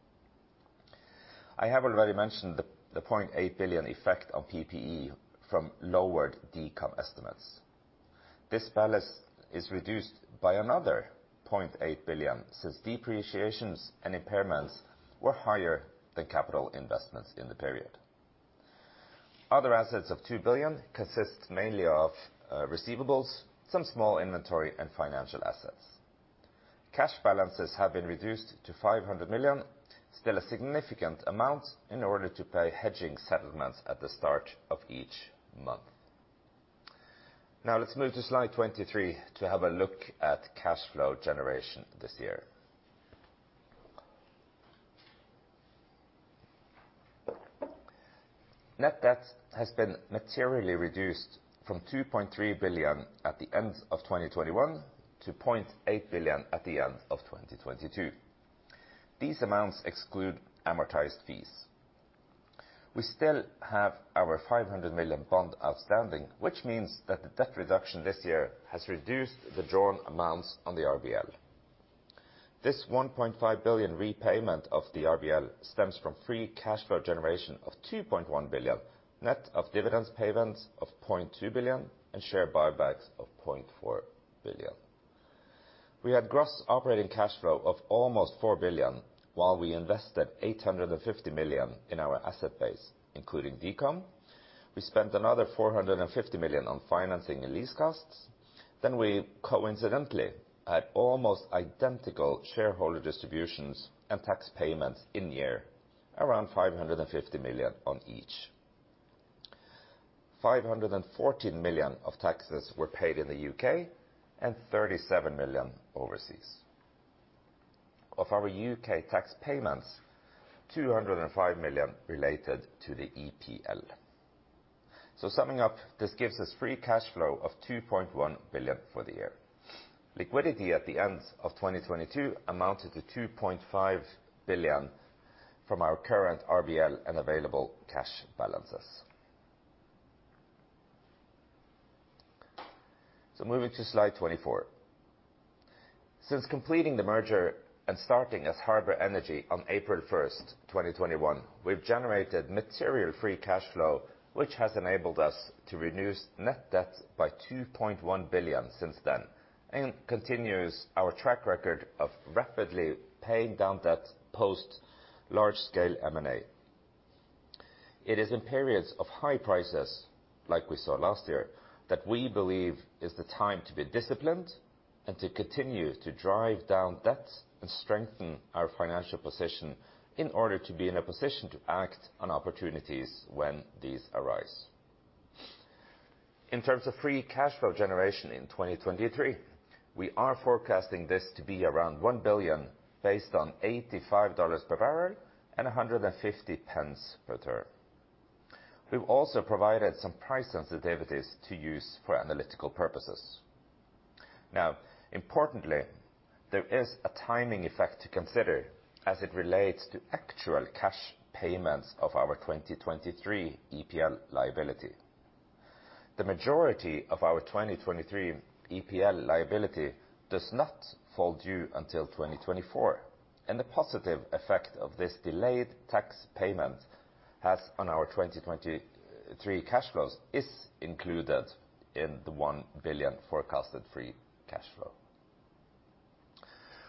I have already mentioned the $0.8 billion effect on PPE from lowered decomp estimates. This balance is reduced by another $0.8 billion since depreciations and impairments were higher than capital investments in the period. Other assets of $2 billion consists mainly of receivables, some small inventory, and financial assets. Cash balances have been reduced to $500 million, still a significant amount in order to pay hedging settlements at the start of each month. Let's move to slide 23 to have a look at cash flow generation this year. Net debt has been materially reduced from $2.3 billion at the end of 2021 to $0.8 billion at the end of 2022. These amounts exclude amortized fees. We still have our $500 million bond outstanding, which means that the debt reduction this year has reduced the drawn amounts on the RBL. This $1.5 billion repayment of the RBL stems from free cash flow generation of $2.1 billion, net of dividends payments of $0.2 billion and share buybacks of $0.4 billion. We had gross operating cash flow of almost $4 billion while we invested $850 million in our asset base, including decom. We spent another $450 million on financing and lease costs. We coincidentally had almost identical shareholder distributions and tax payments in the year, around $550 million on each. $514 million of taxes were paid in the UK and $37 million overseas. Of our UK tax payments, $205 million related to the EPL. Summing up, this gives us free cash flow of $2.1 billion for the year. Liquidity at the end of 2022 amounted to $2.5 billion from our current RBL and available cash balances. Moving to slide 24. Since completing the merger and starting as Harbour Energy on 1st April, 2021, we've generated material free cash flow, which has enabled us to reduce net debt by $2.1 billion since then, and continues our track record of rapidly paying down debt post large-scale M&A. It is in periods of high prices, like we saw last year, that we believe is the time to be disciplined and to continue to drive down debt and strengthen our financial position in order to be in a position to act on opportunities when these arise. In terms of free cash flow generation in 2023, we are forecasting this to be around $1 billion based on $85 per barrel and 150 pence per therm. We've also provided some price sensitivities to use for analytical purposes. Now, importantly, there is a timing effect to consider as it relates to actual cash payments of our 2023 EPL liability. The majority of our 2023 EPL liability does not fall due until 2024. The positive effect of this delayed tax payment has on our 2023 cash flows is included in the $1 billion forecasted free cash flow.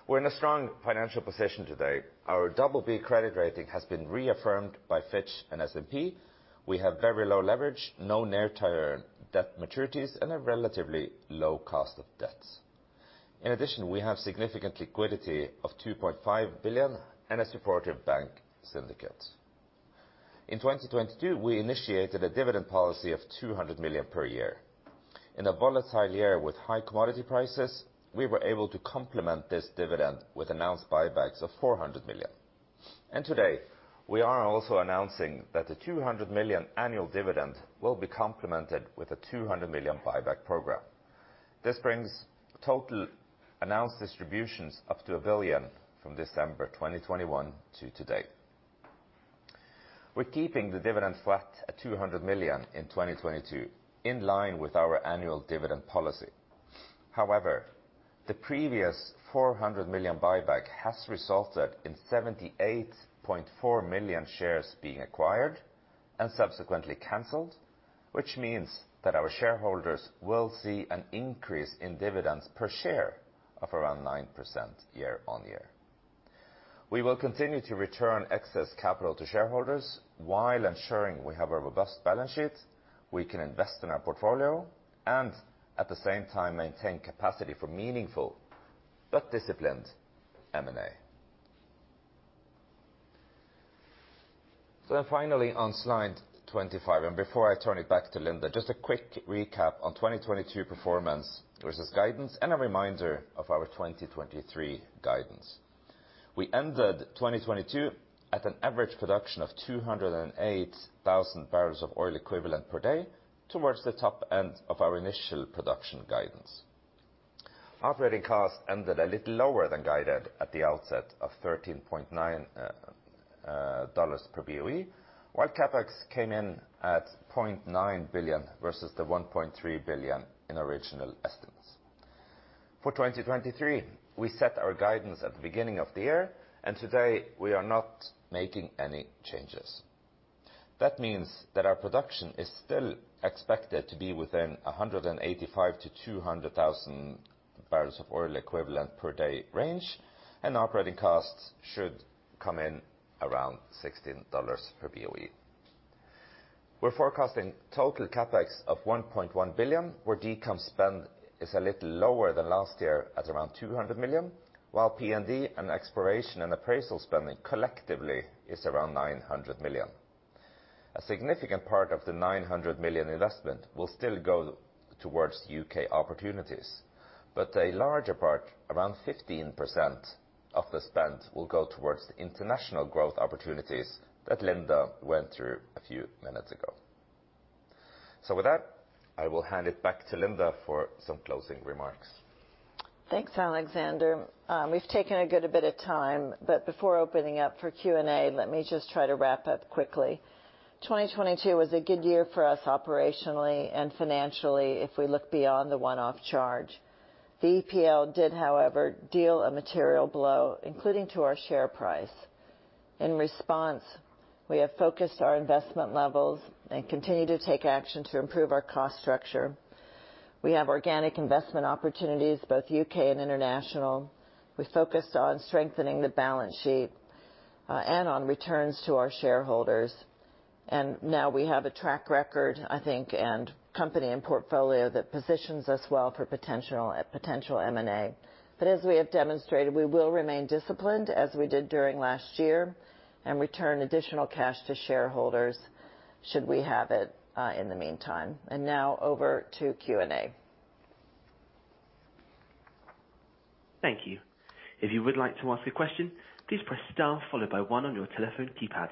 We're in a strong financial position today. Our BB credit rating has been reaffirmed by Fitch and S&P. We have very low leverage, no near-term debt maturities, and a relatively low cost of debts. In addition, we have significant liquidity of $2.5 billion and a supportive bank syndicate. In 2022, we initiated a dividend policy of $200 million per year. In a volatile year with high commodity prices, we were able to complement this dividend with announced buybacks of $400 million. And today, we are also announcing that the $200 million annual dividend will be complemented with a $200 million buyback program. This brings total announced distributions up to $1 billion from December 2021 to today. We're keeping the dividend flat at $200 million in 2022, in line with our annual dividend policy. However, the previous $400 million buyback has resulted in 78.4 million shares being acquired and subsequently canceled, which means that our shareholders will see an increase in dividends per share of around 9% year-on-year. We will continue to return excess capital to shareholders while ensuring we have a robust balance sheet, we can invest in our portfolio, and at the same time, maintain capacity for meaningful but disciplined M&A. Finally on slide 25, and before I turn it back to Linda, just a quick recap on 2022 performance versus guidance and a reminder of our 2023 guidance. We ended 2022 at an average production of 208,000 barrels of oil equivalent per day towards the top end of our initial production guidance. Operating costs ended a little lower than guided at the outset of $13.9 per BOE, while CapEx came in at $0.9 billion versus the $1.3 billion in original estimates. For 2023, we set our guidance at the beginning of the year, and today we are not making any changes. That means that our production is still expected to be within 185 to 200,000 barrels of oil equivalent per day range, and operating costs should come in around $16 per BOE. We're forecasting total CapEx of $1.1 billion, where decom spend is a little lower than last year at around $200 million, while P&D and exploration and appraisal spending collectively is around $900 million. A significant part of the $900 million investment will still go towards UK opportunities, but a larger part, around 15% of the spend, will go towards the international growth opportunities that Linda went through a few minutes ago. So with that, I will hand it back to Linda for some closing remarks. Thanks, Alexander. We've taken a good bit of time, but before opening up for Q&A, let me just try to wrap up quickly. 2022 was a good year for us operationally and financially if we look beyond the one-off charge. The EPL did, however, deal a material blow, including to our share price. In response, we have focused our investment levels and continue to take action to improve our cost structure. We have organic investment opportunities, both UK and international. We focused on strengthening the balance sheet, and on returns to our shareholders. Now we have a track record, I think, and company and portfolio that positions us well for potential M&A. As we have demonstrated, we will remain disciplined as we did during last year and return additional cash to shareholders should we have it, in the meantime. Now over to Q&A. Thank you. If you would like to ask a question, please press star followed by one on your telephone keypad.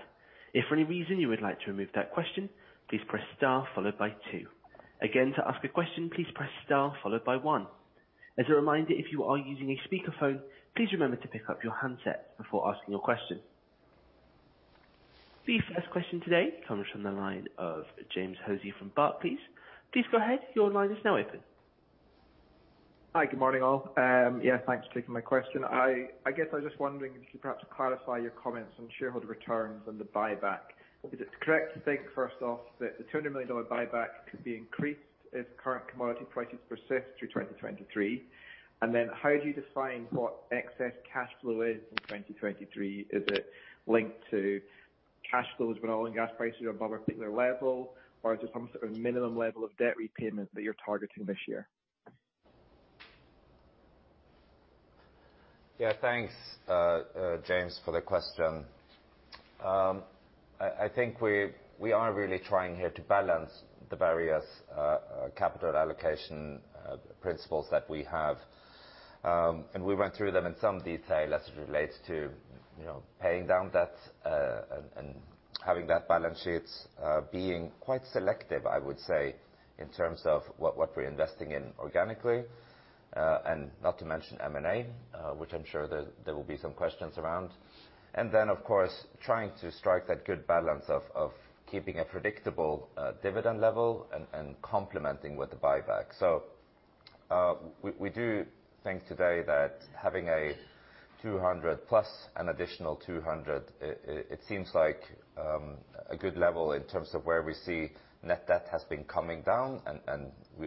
If for any reason you would like to remove that question, please press star followed by two. Again, to ask a question, please press star followed by one. As a reminder, if you are using a speaker phone, please remember to pick up your handset before asking your question. The first question today comes from the line of James Hosie from Barclays. Please go ahead. Your line is now open. Hi, good morning, all. yeah, thanks for taking my question. I guess I was just wondering if you could perhaps clarify your comments on shareholder returns and the buyback. Is it correct to think, first off, that the $200 million buyback could be increased if current commodity prices persist through 2023? How do you define what excess cash flow is in 2023? Is it linked to cash flows when oil and gas prices are above a particular level, or is it some sort of minimum level of debt repayment that you're targeting this year? Yeah. Thanks, James, for the question. I think we are really trying here to balance the various capital allocation principles that we have. We went through them in some detail as it relates to, you know, paying down debt, and having that balance sheets being quite selective, I would say, in terms of what we're investing in organically, and not to mention M&A, which I'm sure there will be some questions around. Then, of course, trying to strike that good balance of keeping a predictable dividend level and complementing with the buyback. So we do think today that having a $200 plus an additional $200, it seems like a good level in terms of where we see net debt has been coming down and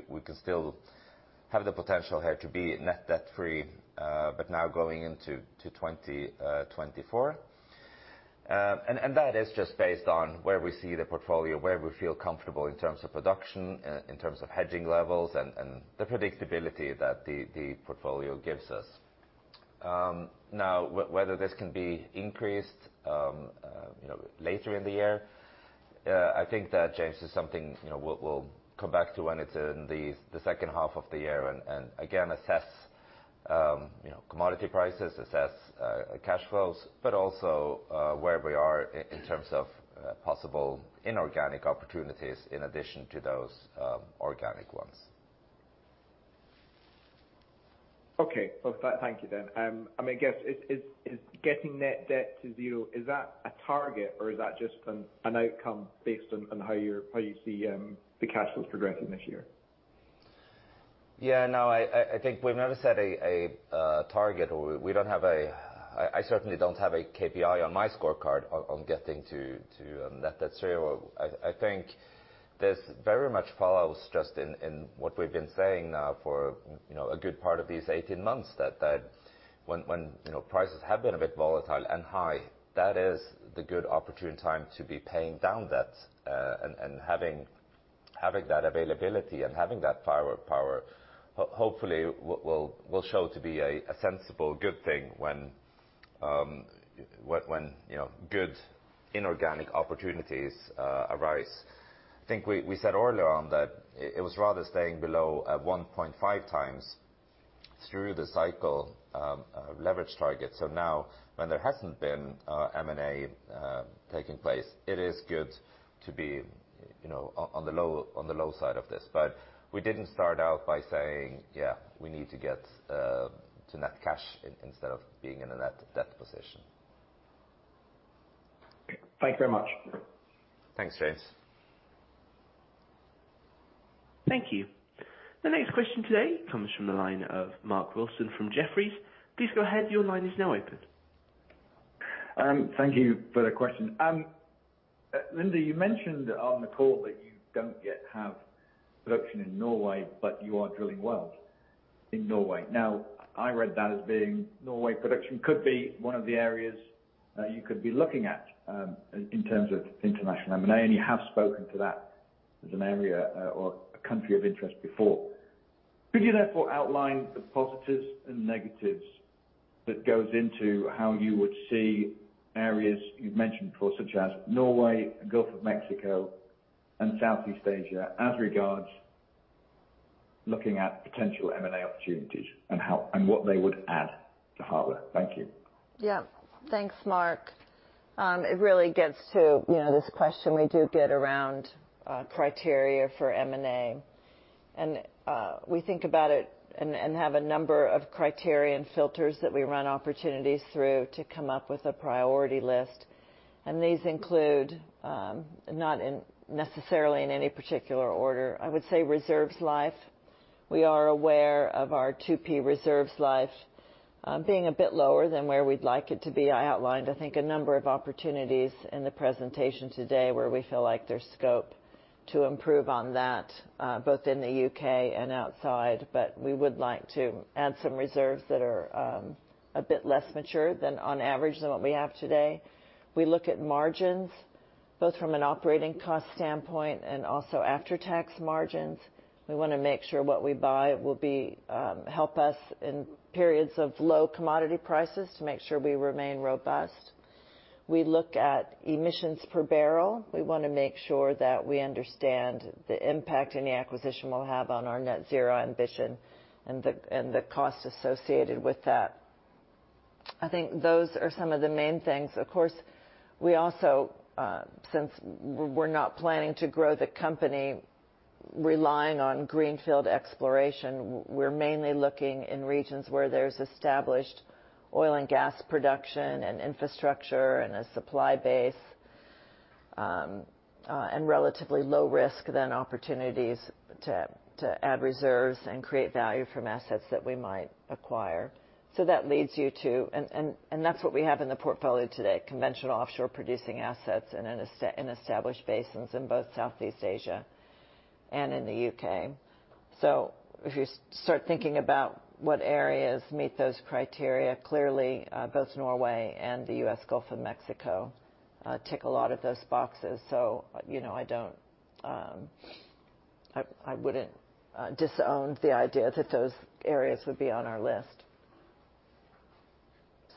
we can still have the potential here to be net debt-free, but now going into 2024. And that is just based on where we see the portfolio, where we feel comfortable in terms of production, in terms of hedging levels and the predictability that the portfolio gives us. Now, whether this can be increased, you know, later in the year, I think that, James, is something, you know, we'll come back to when it's in the H2 of the year and again assess, you know, commodity prices, assess cash flows, but also where we are in terms of possible inorganic opportunities in addition to those organic ones. Okay. Well, thank you then. I mean, I guess, is getting net debt to zero, is that a target or is that just an outcome based on how you're, how you see the cash flows progressing this year? Yeah, no, I think we've never set a target or we don't have a. I certainly don't have a KPI on my scorecard on getting to net debt zero. I think this very much follows just in what we've been saying now for, you know, a good part of these 18 months, that when, you know, prices have been a bit volatile and high, that is the good opportune time to be paying down debt, and having that availability and having that fire-power, hopefully, will show to be a sensible, good thing when, you know, good inorganic opportunities arise. I think we said earlier on that it was rather staying below at 1.5x through the cycle leverage target. So now, when there hasn't been M&A taking place, it is good to be, you know, on the low side of this. We didn't start out by saying, Yeah, we need to get to net cash instead of being in a net debt position. Okay. Thank you very much. Thanks, James. Thank you. The next question today comes from the line of Mark Wilson from Jefferies. Please go ahead. Your line is now open. Thank you for the question. And Lind, you mentioned on the call that you don't yet have production in Norway, but you are drilling wells in Norway. I read that as being Norway production could be one of the areas that you could be looking at, in terms of international M&A, and you have spoken to that as an area, or a country of interest before. Could you therefore outline the positives and negatives that goes into how you would see areas you've mentioned before, such as Norway, Gulf of Mexico, and Southeast Asia as regards looking at potential M&A opportunities and how and what they would add to Harbour? Thank you. Yeah. Thanks, Mark. It really gets to, you know, this question we do get around criteria for M&A. And, we think about it and have a number of criterion filters that we run opportunities through to come up with a priority list. And these include, not necessarily in any particular order, I would say reserves life. We are aware of our 2P reserves life, being a bit lower than where we'd like it to be. I outlined, I think, a number of opportunities in the presentation today where we feel like there's scope to improve on that, both in the UK and outside. But, we would like to add some reserves that are a bit less mature than on average than what we have today. We look at margins, both from an operating cost standpoint and also after-tax margins. We wanna make sure what we buy will be help us in periods of low commodity prices to make sure we remain robust. We look at emissions per barrel. We wanna make sure that we understand the impact any acquisition will have on our net zero ambition and the cost associated with that. I think those are some of the main things. Of course, we also since we're not planning to grow the company relying on greenfield exploration, we're mainly looking in regions where there's established oil and gas production and infrastructure and a supply base and relatively low risk then opportunities to add reserves and create value from assets that we might acquire. So that leads you to... And that's what we have in the portfolio today, conventional offshore producing assets in established basins in both Southeast Asia and in the UK. So, If you start thinking about what areas meet those criteria, clearly, both Norway and the US Gulf of Mexico, tick a lot of those boxes. So, you know, I don't, I wouldn't disown the idea that those areas would be on our list.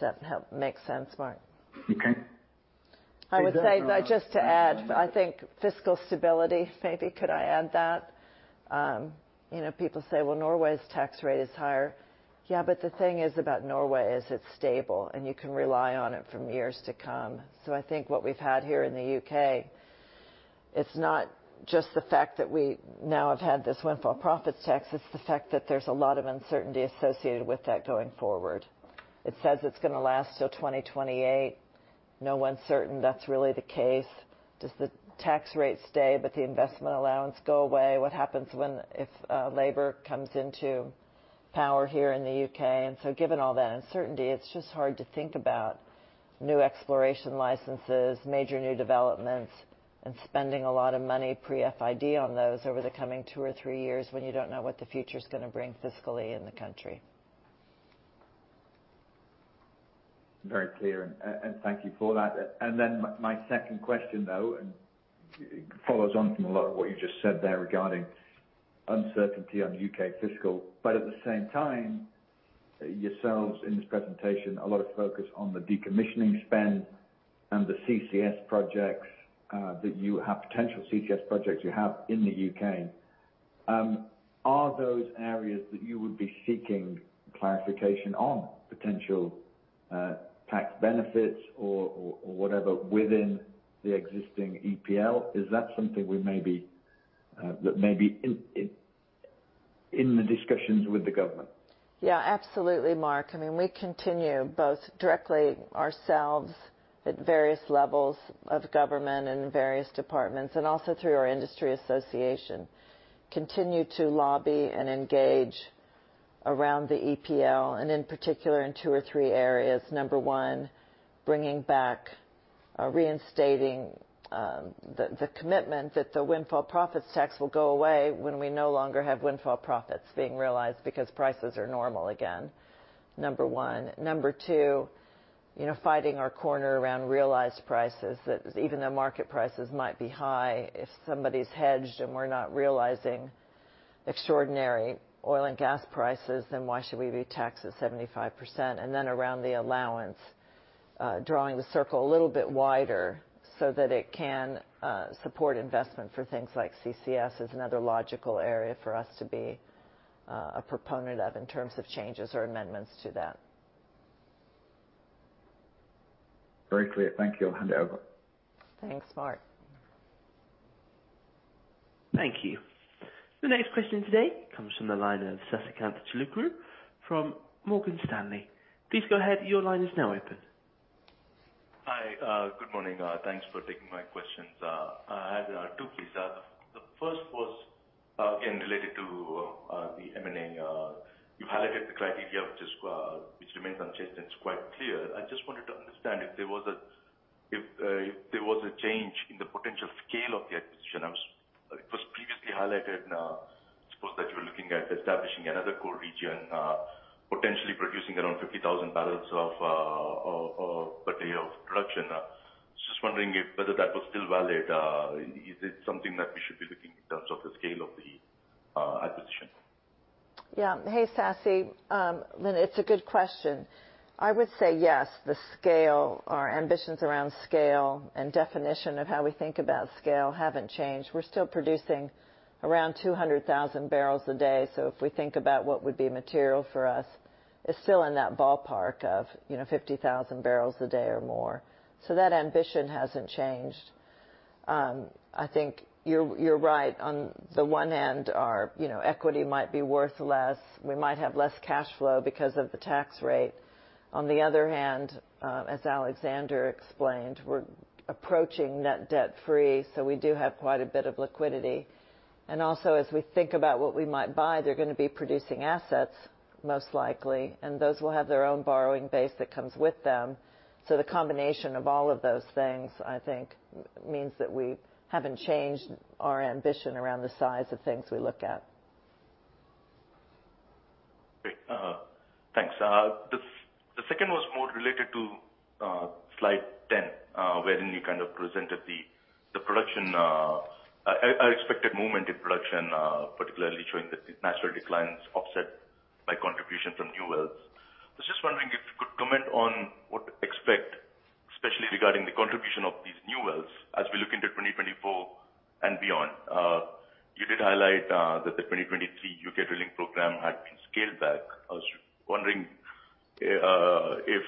Does that help make sense, Mark? Okay. I would say- Exactly. To add, I think fiscal stability, maybe could I add that? You know, people say, "Well, Norway's tax rate is higher." The thing is about Norway is it's stable, and you can rely on it from years to come. I think what we've had here in the UK, it's not just the fact that we now have had this windfall profits tax, it's the fact that there's a lot of uncertainty associated with that going forward. It says it's gonna last till 2028. No one's certain that's really the case. Does the tax rate stay but the investment allowance go away? What happens when, if, Labour comes into power here in the UK? So given all that uncertainty, it's just hard to think about new exploration licenses, major new developments, and spending a lot of money pre-FID on those over the coming two or three years when you don't know what the future's gonna bring fiscally in the country. Very clear, and thank you for that. Then my second question, though, and it follows on from a lot of what you just said there regarding uncertainty on UK fiscal. But at the same time, yourselves in this presentation, a lot of focus on the decommissioning spend and the CCS projects, that you have potential CCS projects you have in the UK. Are those areas that you would be seeking clarification on potential tax benefits or whatever within the existing EPL? Is that something we may be that may be in the discussions with the government? Yeah, absolutely, Mark. I mean, we continue both directly ourselves at various levels of government and various departments and also through our industry association, continue to lobby and engage around the EPL and in particular in two or three areas. Number one, bringing back or reinstating the commitment that the windfall profits tax will go away when we no longer have windfall profits being realized because prices are normal again, number one. Number two. You know, fighting our corner around realized prices. That even though market prices might be high, if somebody's hedged and we're not realizing extraordinary oil and gas prices, then why should we be taxed at 75%? And then around the allowance, drawing the circle a little bit wider so that it can support investment for things like CCS is another logical area for us to be a proponent of in terms of changes or amendments to that. Very clear. Thank you. I'll hand it over. Thanks, Mark. Thank you. The next question today comes from the line of Sasikanth Chilukuru from Morgan Stanley. Please go ahead. Your line is now open. Hi, good morning. Thanks for taking my questions. I have two, please. The first was again related to the M&A. You've highlighted the criteria, which remains unchanged, and it's quite clear. I just wanted to understand if there was a change in the potential scale of the acquisition. It was previously highlighted, I suppose, that you're looking at establishing another core region, potentially producing around 50,000 bpd of production. Just wondering if whether that was still valid. Is it something that we should be looking in terms of the scale of the acquisition? Yeah. Hey, Sasi. Lin, it's a good question. I would say yes. The scale, our ambitions around scale and definition of how we think about scale haven't changed. We're still producing around 200,000 barrels a day. If we think about what would be material for us, it's still in that ballpark of, you know, 50,000 barrels a day or more. So that ambition hasn't changed. I think you're right. On the one hand, our, you know, equity might be worth less. We might have less cash flow because of the tax rate. On the other hand, as Alexander explained, we're approaching net debt free, so we do have quite a bit of liquidity. And also as we think about what we might buy, they're gonna be producing assets most likely, and those will have their own borrowing base that comes with them. So the combination of all of those things, I think, means that we haven't changed our ambition around the size of things we look at. Great. Thanks. The, the second was more related to slide 10, wherein you kind of presented the production, expected movement in production, particularly showing the natural declines offset by contribution from new wells. I was just wondering if you could comment on what to expect, especially regarding the contribution of these new wells as we look into 2024 and beyond. You did highlight that the 2023 UK drilling program had been scaled back. I was wondering if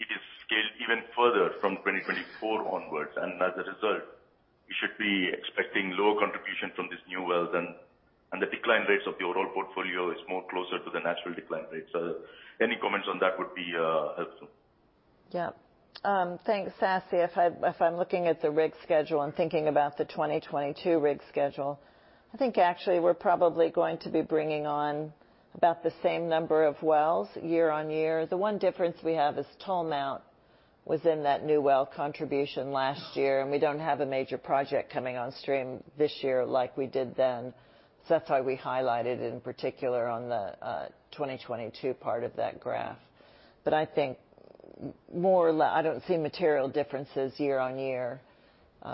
it is scaled even further from 2024 onwards. As a result, we should be expecting lower contribution from these new wells and the decline rates of your old portfolio is more closer to the natural decline rates. So any comments on that would be helpful. Thanks, Sasi. If I'm looking at the rig schedule and thinking about the 2022 rig schedule, I think actually we're probably going to be bringing on about the same number of wells year-on-year. The one difference we have is Tolmount was in that new well contribution last year. We don't have a major project coming on stream this year like we did then. So far we highlighted in particular on the 2022 part of that graph. But I think I don't see material differences year-on-year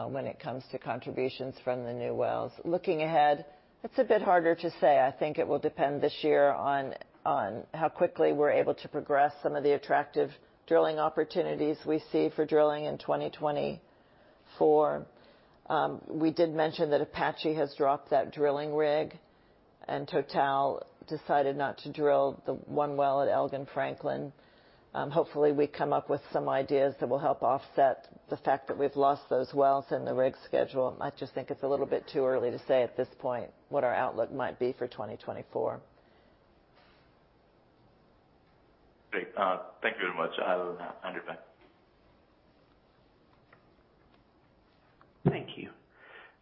when it comes to contributions from the new wells. Looking ahead, it's a bit harder to say. I think it will depend this year on how quickly we're able to progress some of the attractive drilling opportunities we see for drilling in 2024. We did mention that Apache has dropped that drilling rig, and TotalEnergies decided not to drill the one well at Elgin Franklin. Hopefully we come up with some ideas that will help offset the fact that we've lost those wells in the rig schedule. I just think it's a little bit too early to say at this point what our outlook might be for 2024. Great. Thank you very much. I'll hand it back. Thank you.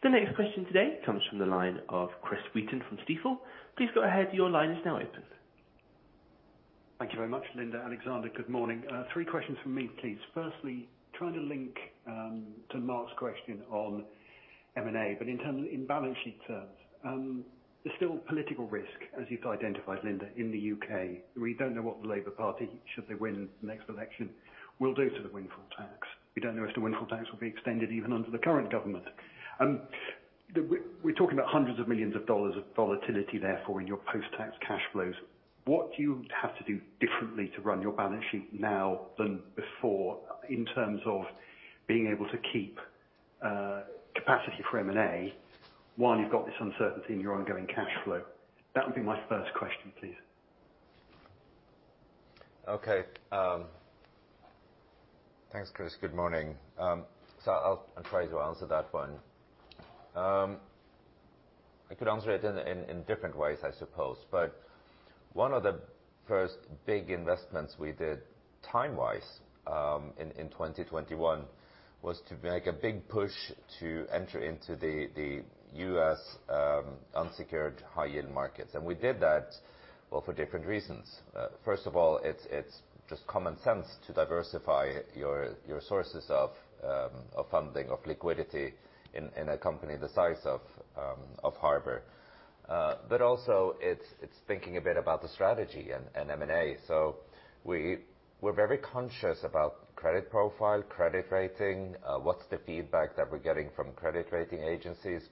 The next question today comes from the line of Chris Wheaton from Stifel. Please go ahead. Your line is now open. Thank you very much. Linda, Alexander, good morning. Three questions from me, please. Firstly, trying to link to Mark's question on M&A, but in balance sheet terms. There's still political risk, as you've identified, Linda, in the UK We don't know what the Labour Party, should they win next election, will do to the windfall tax. We don't know if the windfall tax will be extended even under the current government. We're talking about $hundreds of millions of volatility, therefore, in your post-tax cash flows. What do you have to do differently to run your balance sheet now than before in terms of being able to keep capacity for M&A? One, you've got this uncertainty in your ongoing cash flow. That would be my first question, please. Okay. Thanks, Chris. Good morning. I'll try to answer that one. I could answer it in different ways, I suppose. One of the first big investments we did time-wise, in 2021 was to make a big push to enter into the US unsecured high-yield markets. We did that, well, for different reasons. First of all, it's just common sense to diversify your sources of funding, of liquidity in a company the size of Harbour. Also it's thinking a bit about the strategy and M&A. We're very conscious about credit profile, credit rating, what's the feedback that we're getting from credit rating agencies.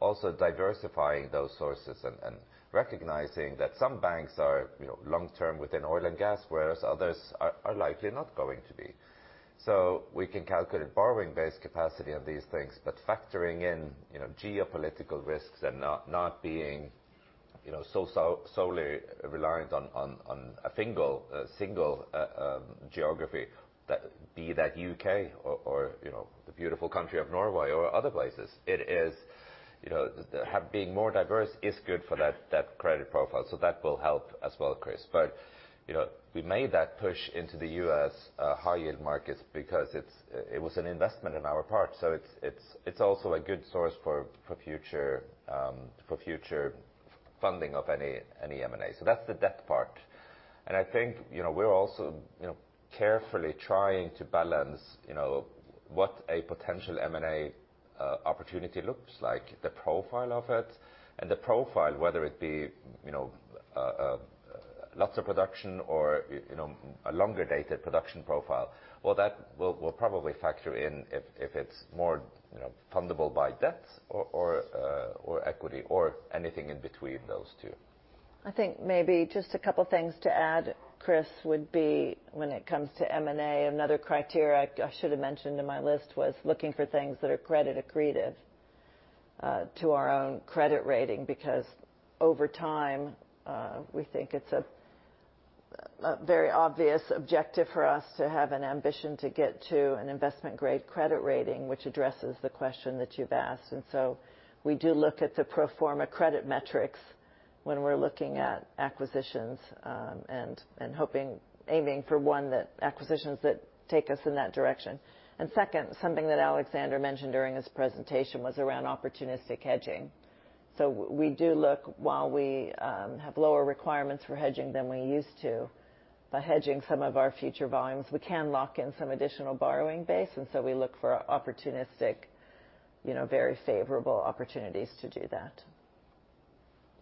Also diversifying those sources and recognizing that some banks are, you know, long-term within oil and gas, whereas others are likely not going to be. So we can calculate borrowing base capacity of these things, but factoring in, you know, geopolitical risks and not being, you know, solely reliant on a single geography that be that UK or, you know, the beautiful country of Norway or other places. It is, you know, have being more diverse is good for that credit profile. That will help as well, Chris. You know, we made that push into the US high-yield markets because it was an investment on our part, so it's also a good source for future funding of any M&A. That's the debt part. I think, you know, we're also, you know, carefully trying to balance, you know, what a potential M&A opportunity looks like, the profile of it. And the profile, whether it be, you know, lots of production or, you know, a longer-dated production profile. Well, that we'll probably factor in if it's more, you know, fundable by debt or, equity or anything in between those two. I think maybe just a couple things to add, Chris, would be when it comes to M&A, another criteria I should have mentioned in my list was looking for things that are credit accretive to our own credit rating. Over time, we think it's a very obvious objective for us to have an ambition to get to an investment-grade credit rating, which addresses the question that you've asked. We do look at the pro forma credit metrics when we're looking at acquisitions, and hoping, aiming for one that acquisitions that take us in that direction. Second, something that Alexander mentioned during his presentation was around opportunistic hedging. We do look while we have lower requirements for hedging than we used to. By hedging some of our future volumes, we can lock in some additional borrowing base, we look for opportunistic, you know, very favorable opportunities to do that.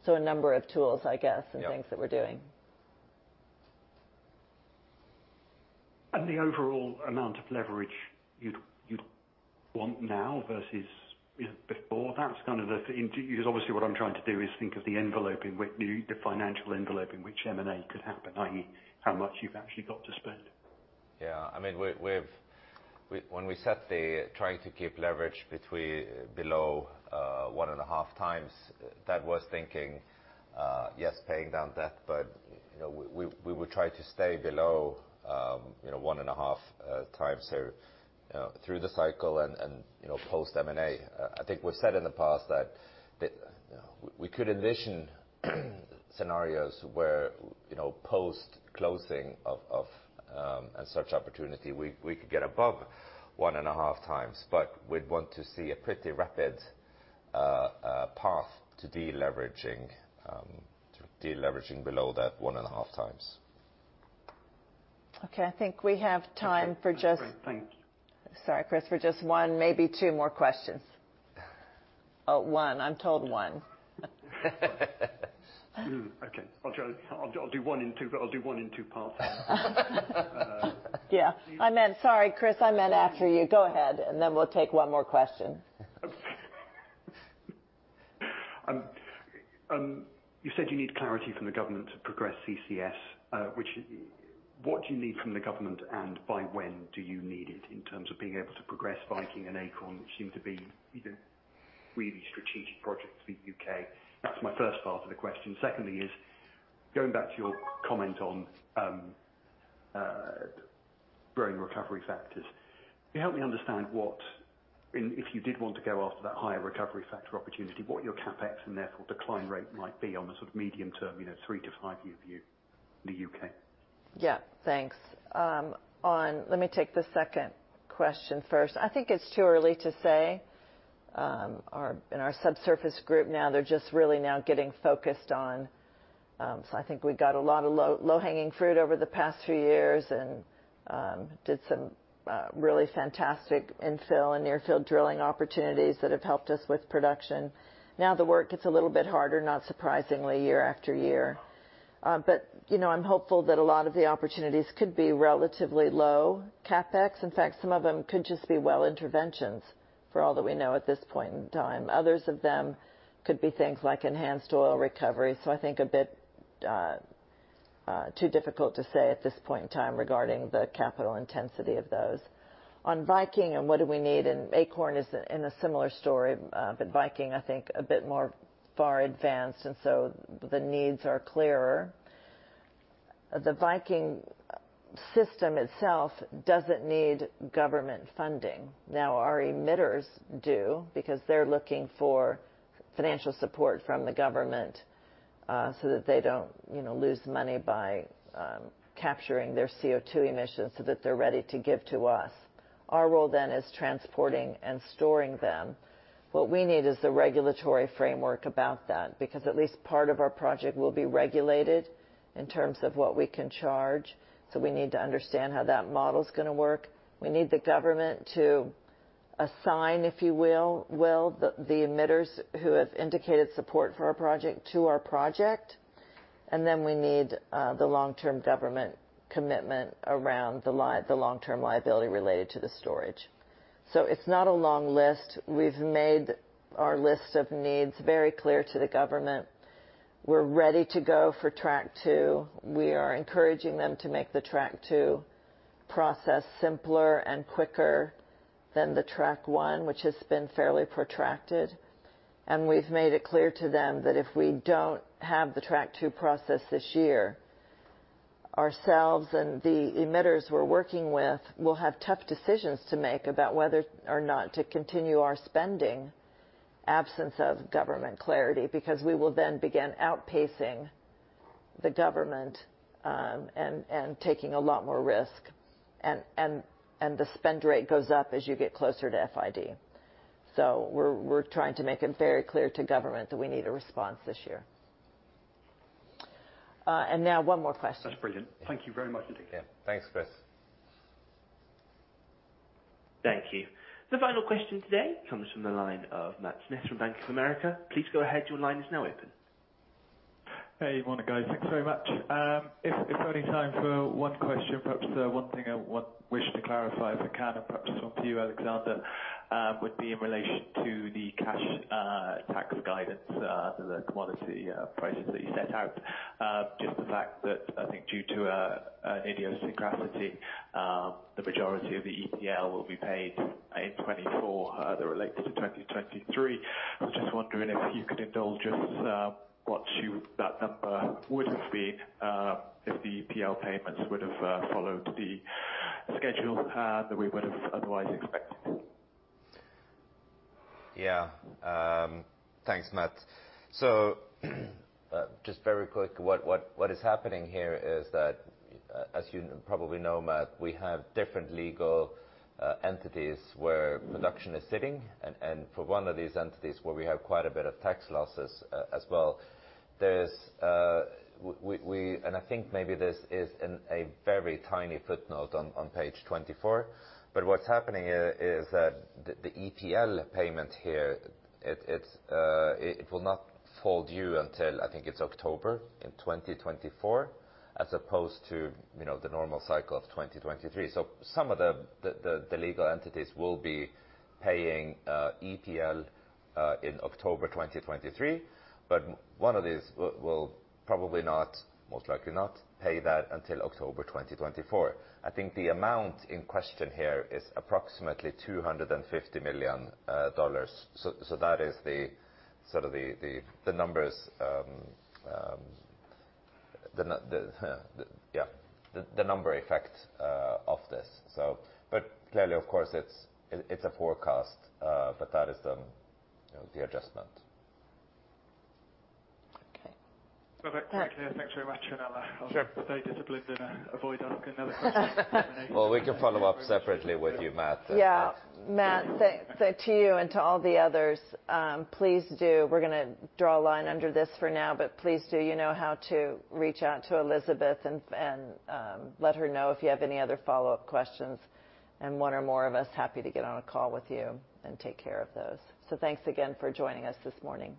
So number of tools, I guess. Yeah. things that we're doing. The overall amount of leverage you'd want now versus before. That's kind of a because obviously what I'm trying to do is think of the financial envelope in which M&A could happen, i.e., how much you've actually got to spend. Yeah. I mean, we've When we set the trying to keep leverage between below 1.5x, that was thinking, yes, paying down debt, but, you know, we would try to stay below, you know, 1.5x. You know, through the cycle and, you know, post-M&A. I think we've said in the past that we could envision scenarios where, you know, post-closing of a search opportunity, we could get above 1.5x. We'd want to see a pretty rapid path to deleveraging below that 1.5x. Okay, I think we have time for. Great. Thank you. Sorry, Chris, for just one, maybe two more questions. Yeah. Oh, one. I'm told one. Okay. I'll try. I'll do one in two. I'll do one in two parts. Yeah. Sorry, Chris, I meant after you. Go ahead, and then we'll take one more question. You said you need clarity from the government to progress CCS, which what do you need from the government, and by when do you need it in terms of being able to progress Viking and Acorn, which seem to be, you know, really strategic projects for the UK? That's my first part of the question. Going back to your comment on growing recovery factors. Can you help me understand and if you did want to go after that higher recovery factor opportunity, what your CapEx and net decline rate might be on the sort of medium term, you know, three to five-year view in the UK? Yeah. Thanks. Let me take the second question first. I think it's too early to say. In our subsurface group now, they're just really now getting focused on. I think we got a lot of low, low-hanging fruit over the past few years and did some really fantastic infill and near-field drilling opportunities that have helped us with production. Now, the work gets a little bit harder, not surprisingly, year-after-year. You know, I'm hopeful that a lot of the opportunities could be relatively low CapEx. In fact, some of them could just be well interventions for all that we know at this point in time. Others of them could be things like enhanced oil recovery. So I think a bit too difficult to say at this point in time regarding the capital intensity of those. On Viking and what do we need, and Acorn is in a similar story, but Viking, I think a bit more far advanced, and so the needs are clearer. The Viking system itself doesn't need government funding. Now, our emitters do, because they're looking for financial support from the government, so that they don't, you know, lose money by capturing their CO2 emissions so that they're ready to give to us. Our role then is transporting and storing them. What we need is the regulatory framework about that, because at least part of our project will be regulated in terms of what we can charge, so we need to understand how that model's going to work. We need the government to assign, if you will, the emitters who have indicated support for our project to our project, we need the long-term government commitment around the long-term liability related to the storage. So, It's not a long list. We've made our list of needs very clear to the government. We're ready to go for track two. We are encouraging them to make the track two process simpler and quicker than the track one, which has been fairly protracted. And we've made it clear to them that if we don't have the track two process this year, ourselves and the emitters we're working with will have tough decisions to make about whether or not to continue our spending absence of government clarity, because we will then begin outpacing the government and taking a lot more risk. And, the spend rate goes up as you get closer to FID. We're trying to make it very clear to government that we need a response this year. Now one more question. That's brilliant. Thank you very much indeed. Yeah. Thanks, Chris. Thank you. The final question today comes from the line of Matt Smith from Bank of America. Please go ahead. Your line is now open. Hey. Morning, guys. Thanks very much. If there's only time for one question, perhaps the one thing I wish to clarify, if I can, and perhaps one to you, Alexander, would be in relation to the cash, tax guidance, the commodity, prices that you set out. Just the fact that I think due to an idiosyncrasy, the majority of the EPL will be paid in 2024, that relates to 2023. I'm just wondering if you could indulge us, what that number would have been, if the EPL payments would have followed the schedule that we would have otherwise expected. Yeah. Thanks, Matt. Just very quick, what is happening here is that as you probably know, Matt, we have different legal entities where production is sitting. For one of these entities where we have quite a bit of tax losses as well, and I think maybe this is in a very tiny footnote on page 24, but what's happening here is that the EPL payment here, it will not fall due until I think it's October in 2024, as opposed to, you know, the normal cycle of 2023. Some of the legal entities will be paying EPL in October 2023, but one of these will probably not, most likely not, pay that until October 2024. I think the amount in question here is approximately $250 million. That is the, sort of the numbers. The number effect of this, so. Clearly, of course, it's a forecast, but that is the adjustment. Okay. Perfect. Clear. Thanks very much. I'll stay disciplined and avoid asking another question. Well, we can follow up separately with you, Matt. Yeah. Matt, to you and to all the others, please do. We're gonna draw a line under this for now, but please do you know how to reach out to Elizabeth and let her know if you have any other follow-up questions, and one or more of us happy to get on a call with you and take care of those. So, thanks again for joining us this morning.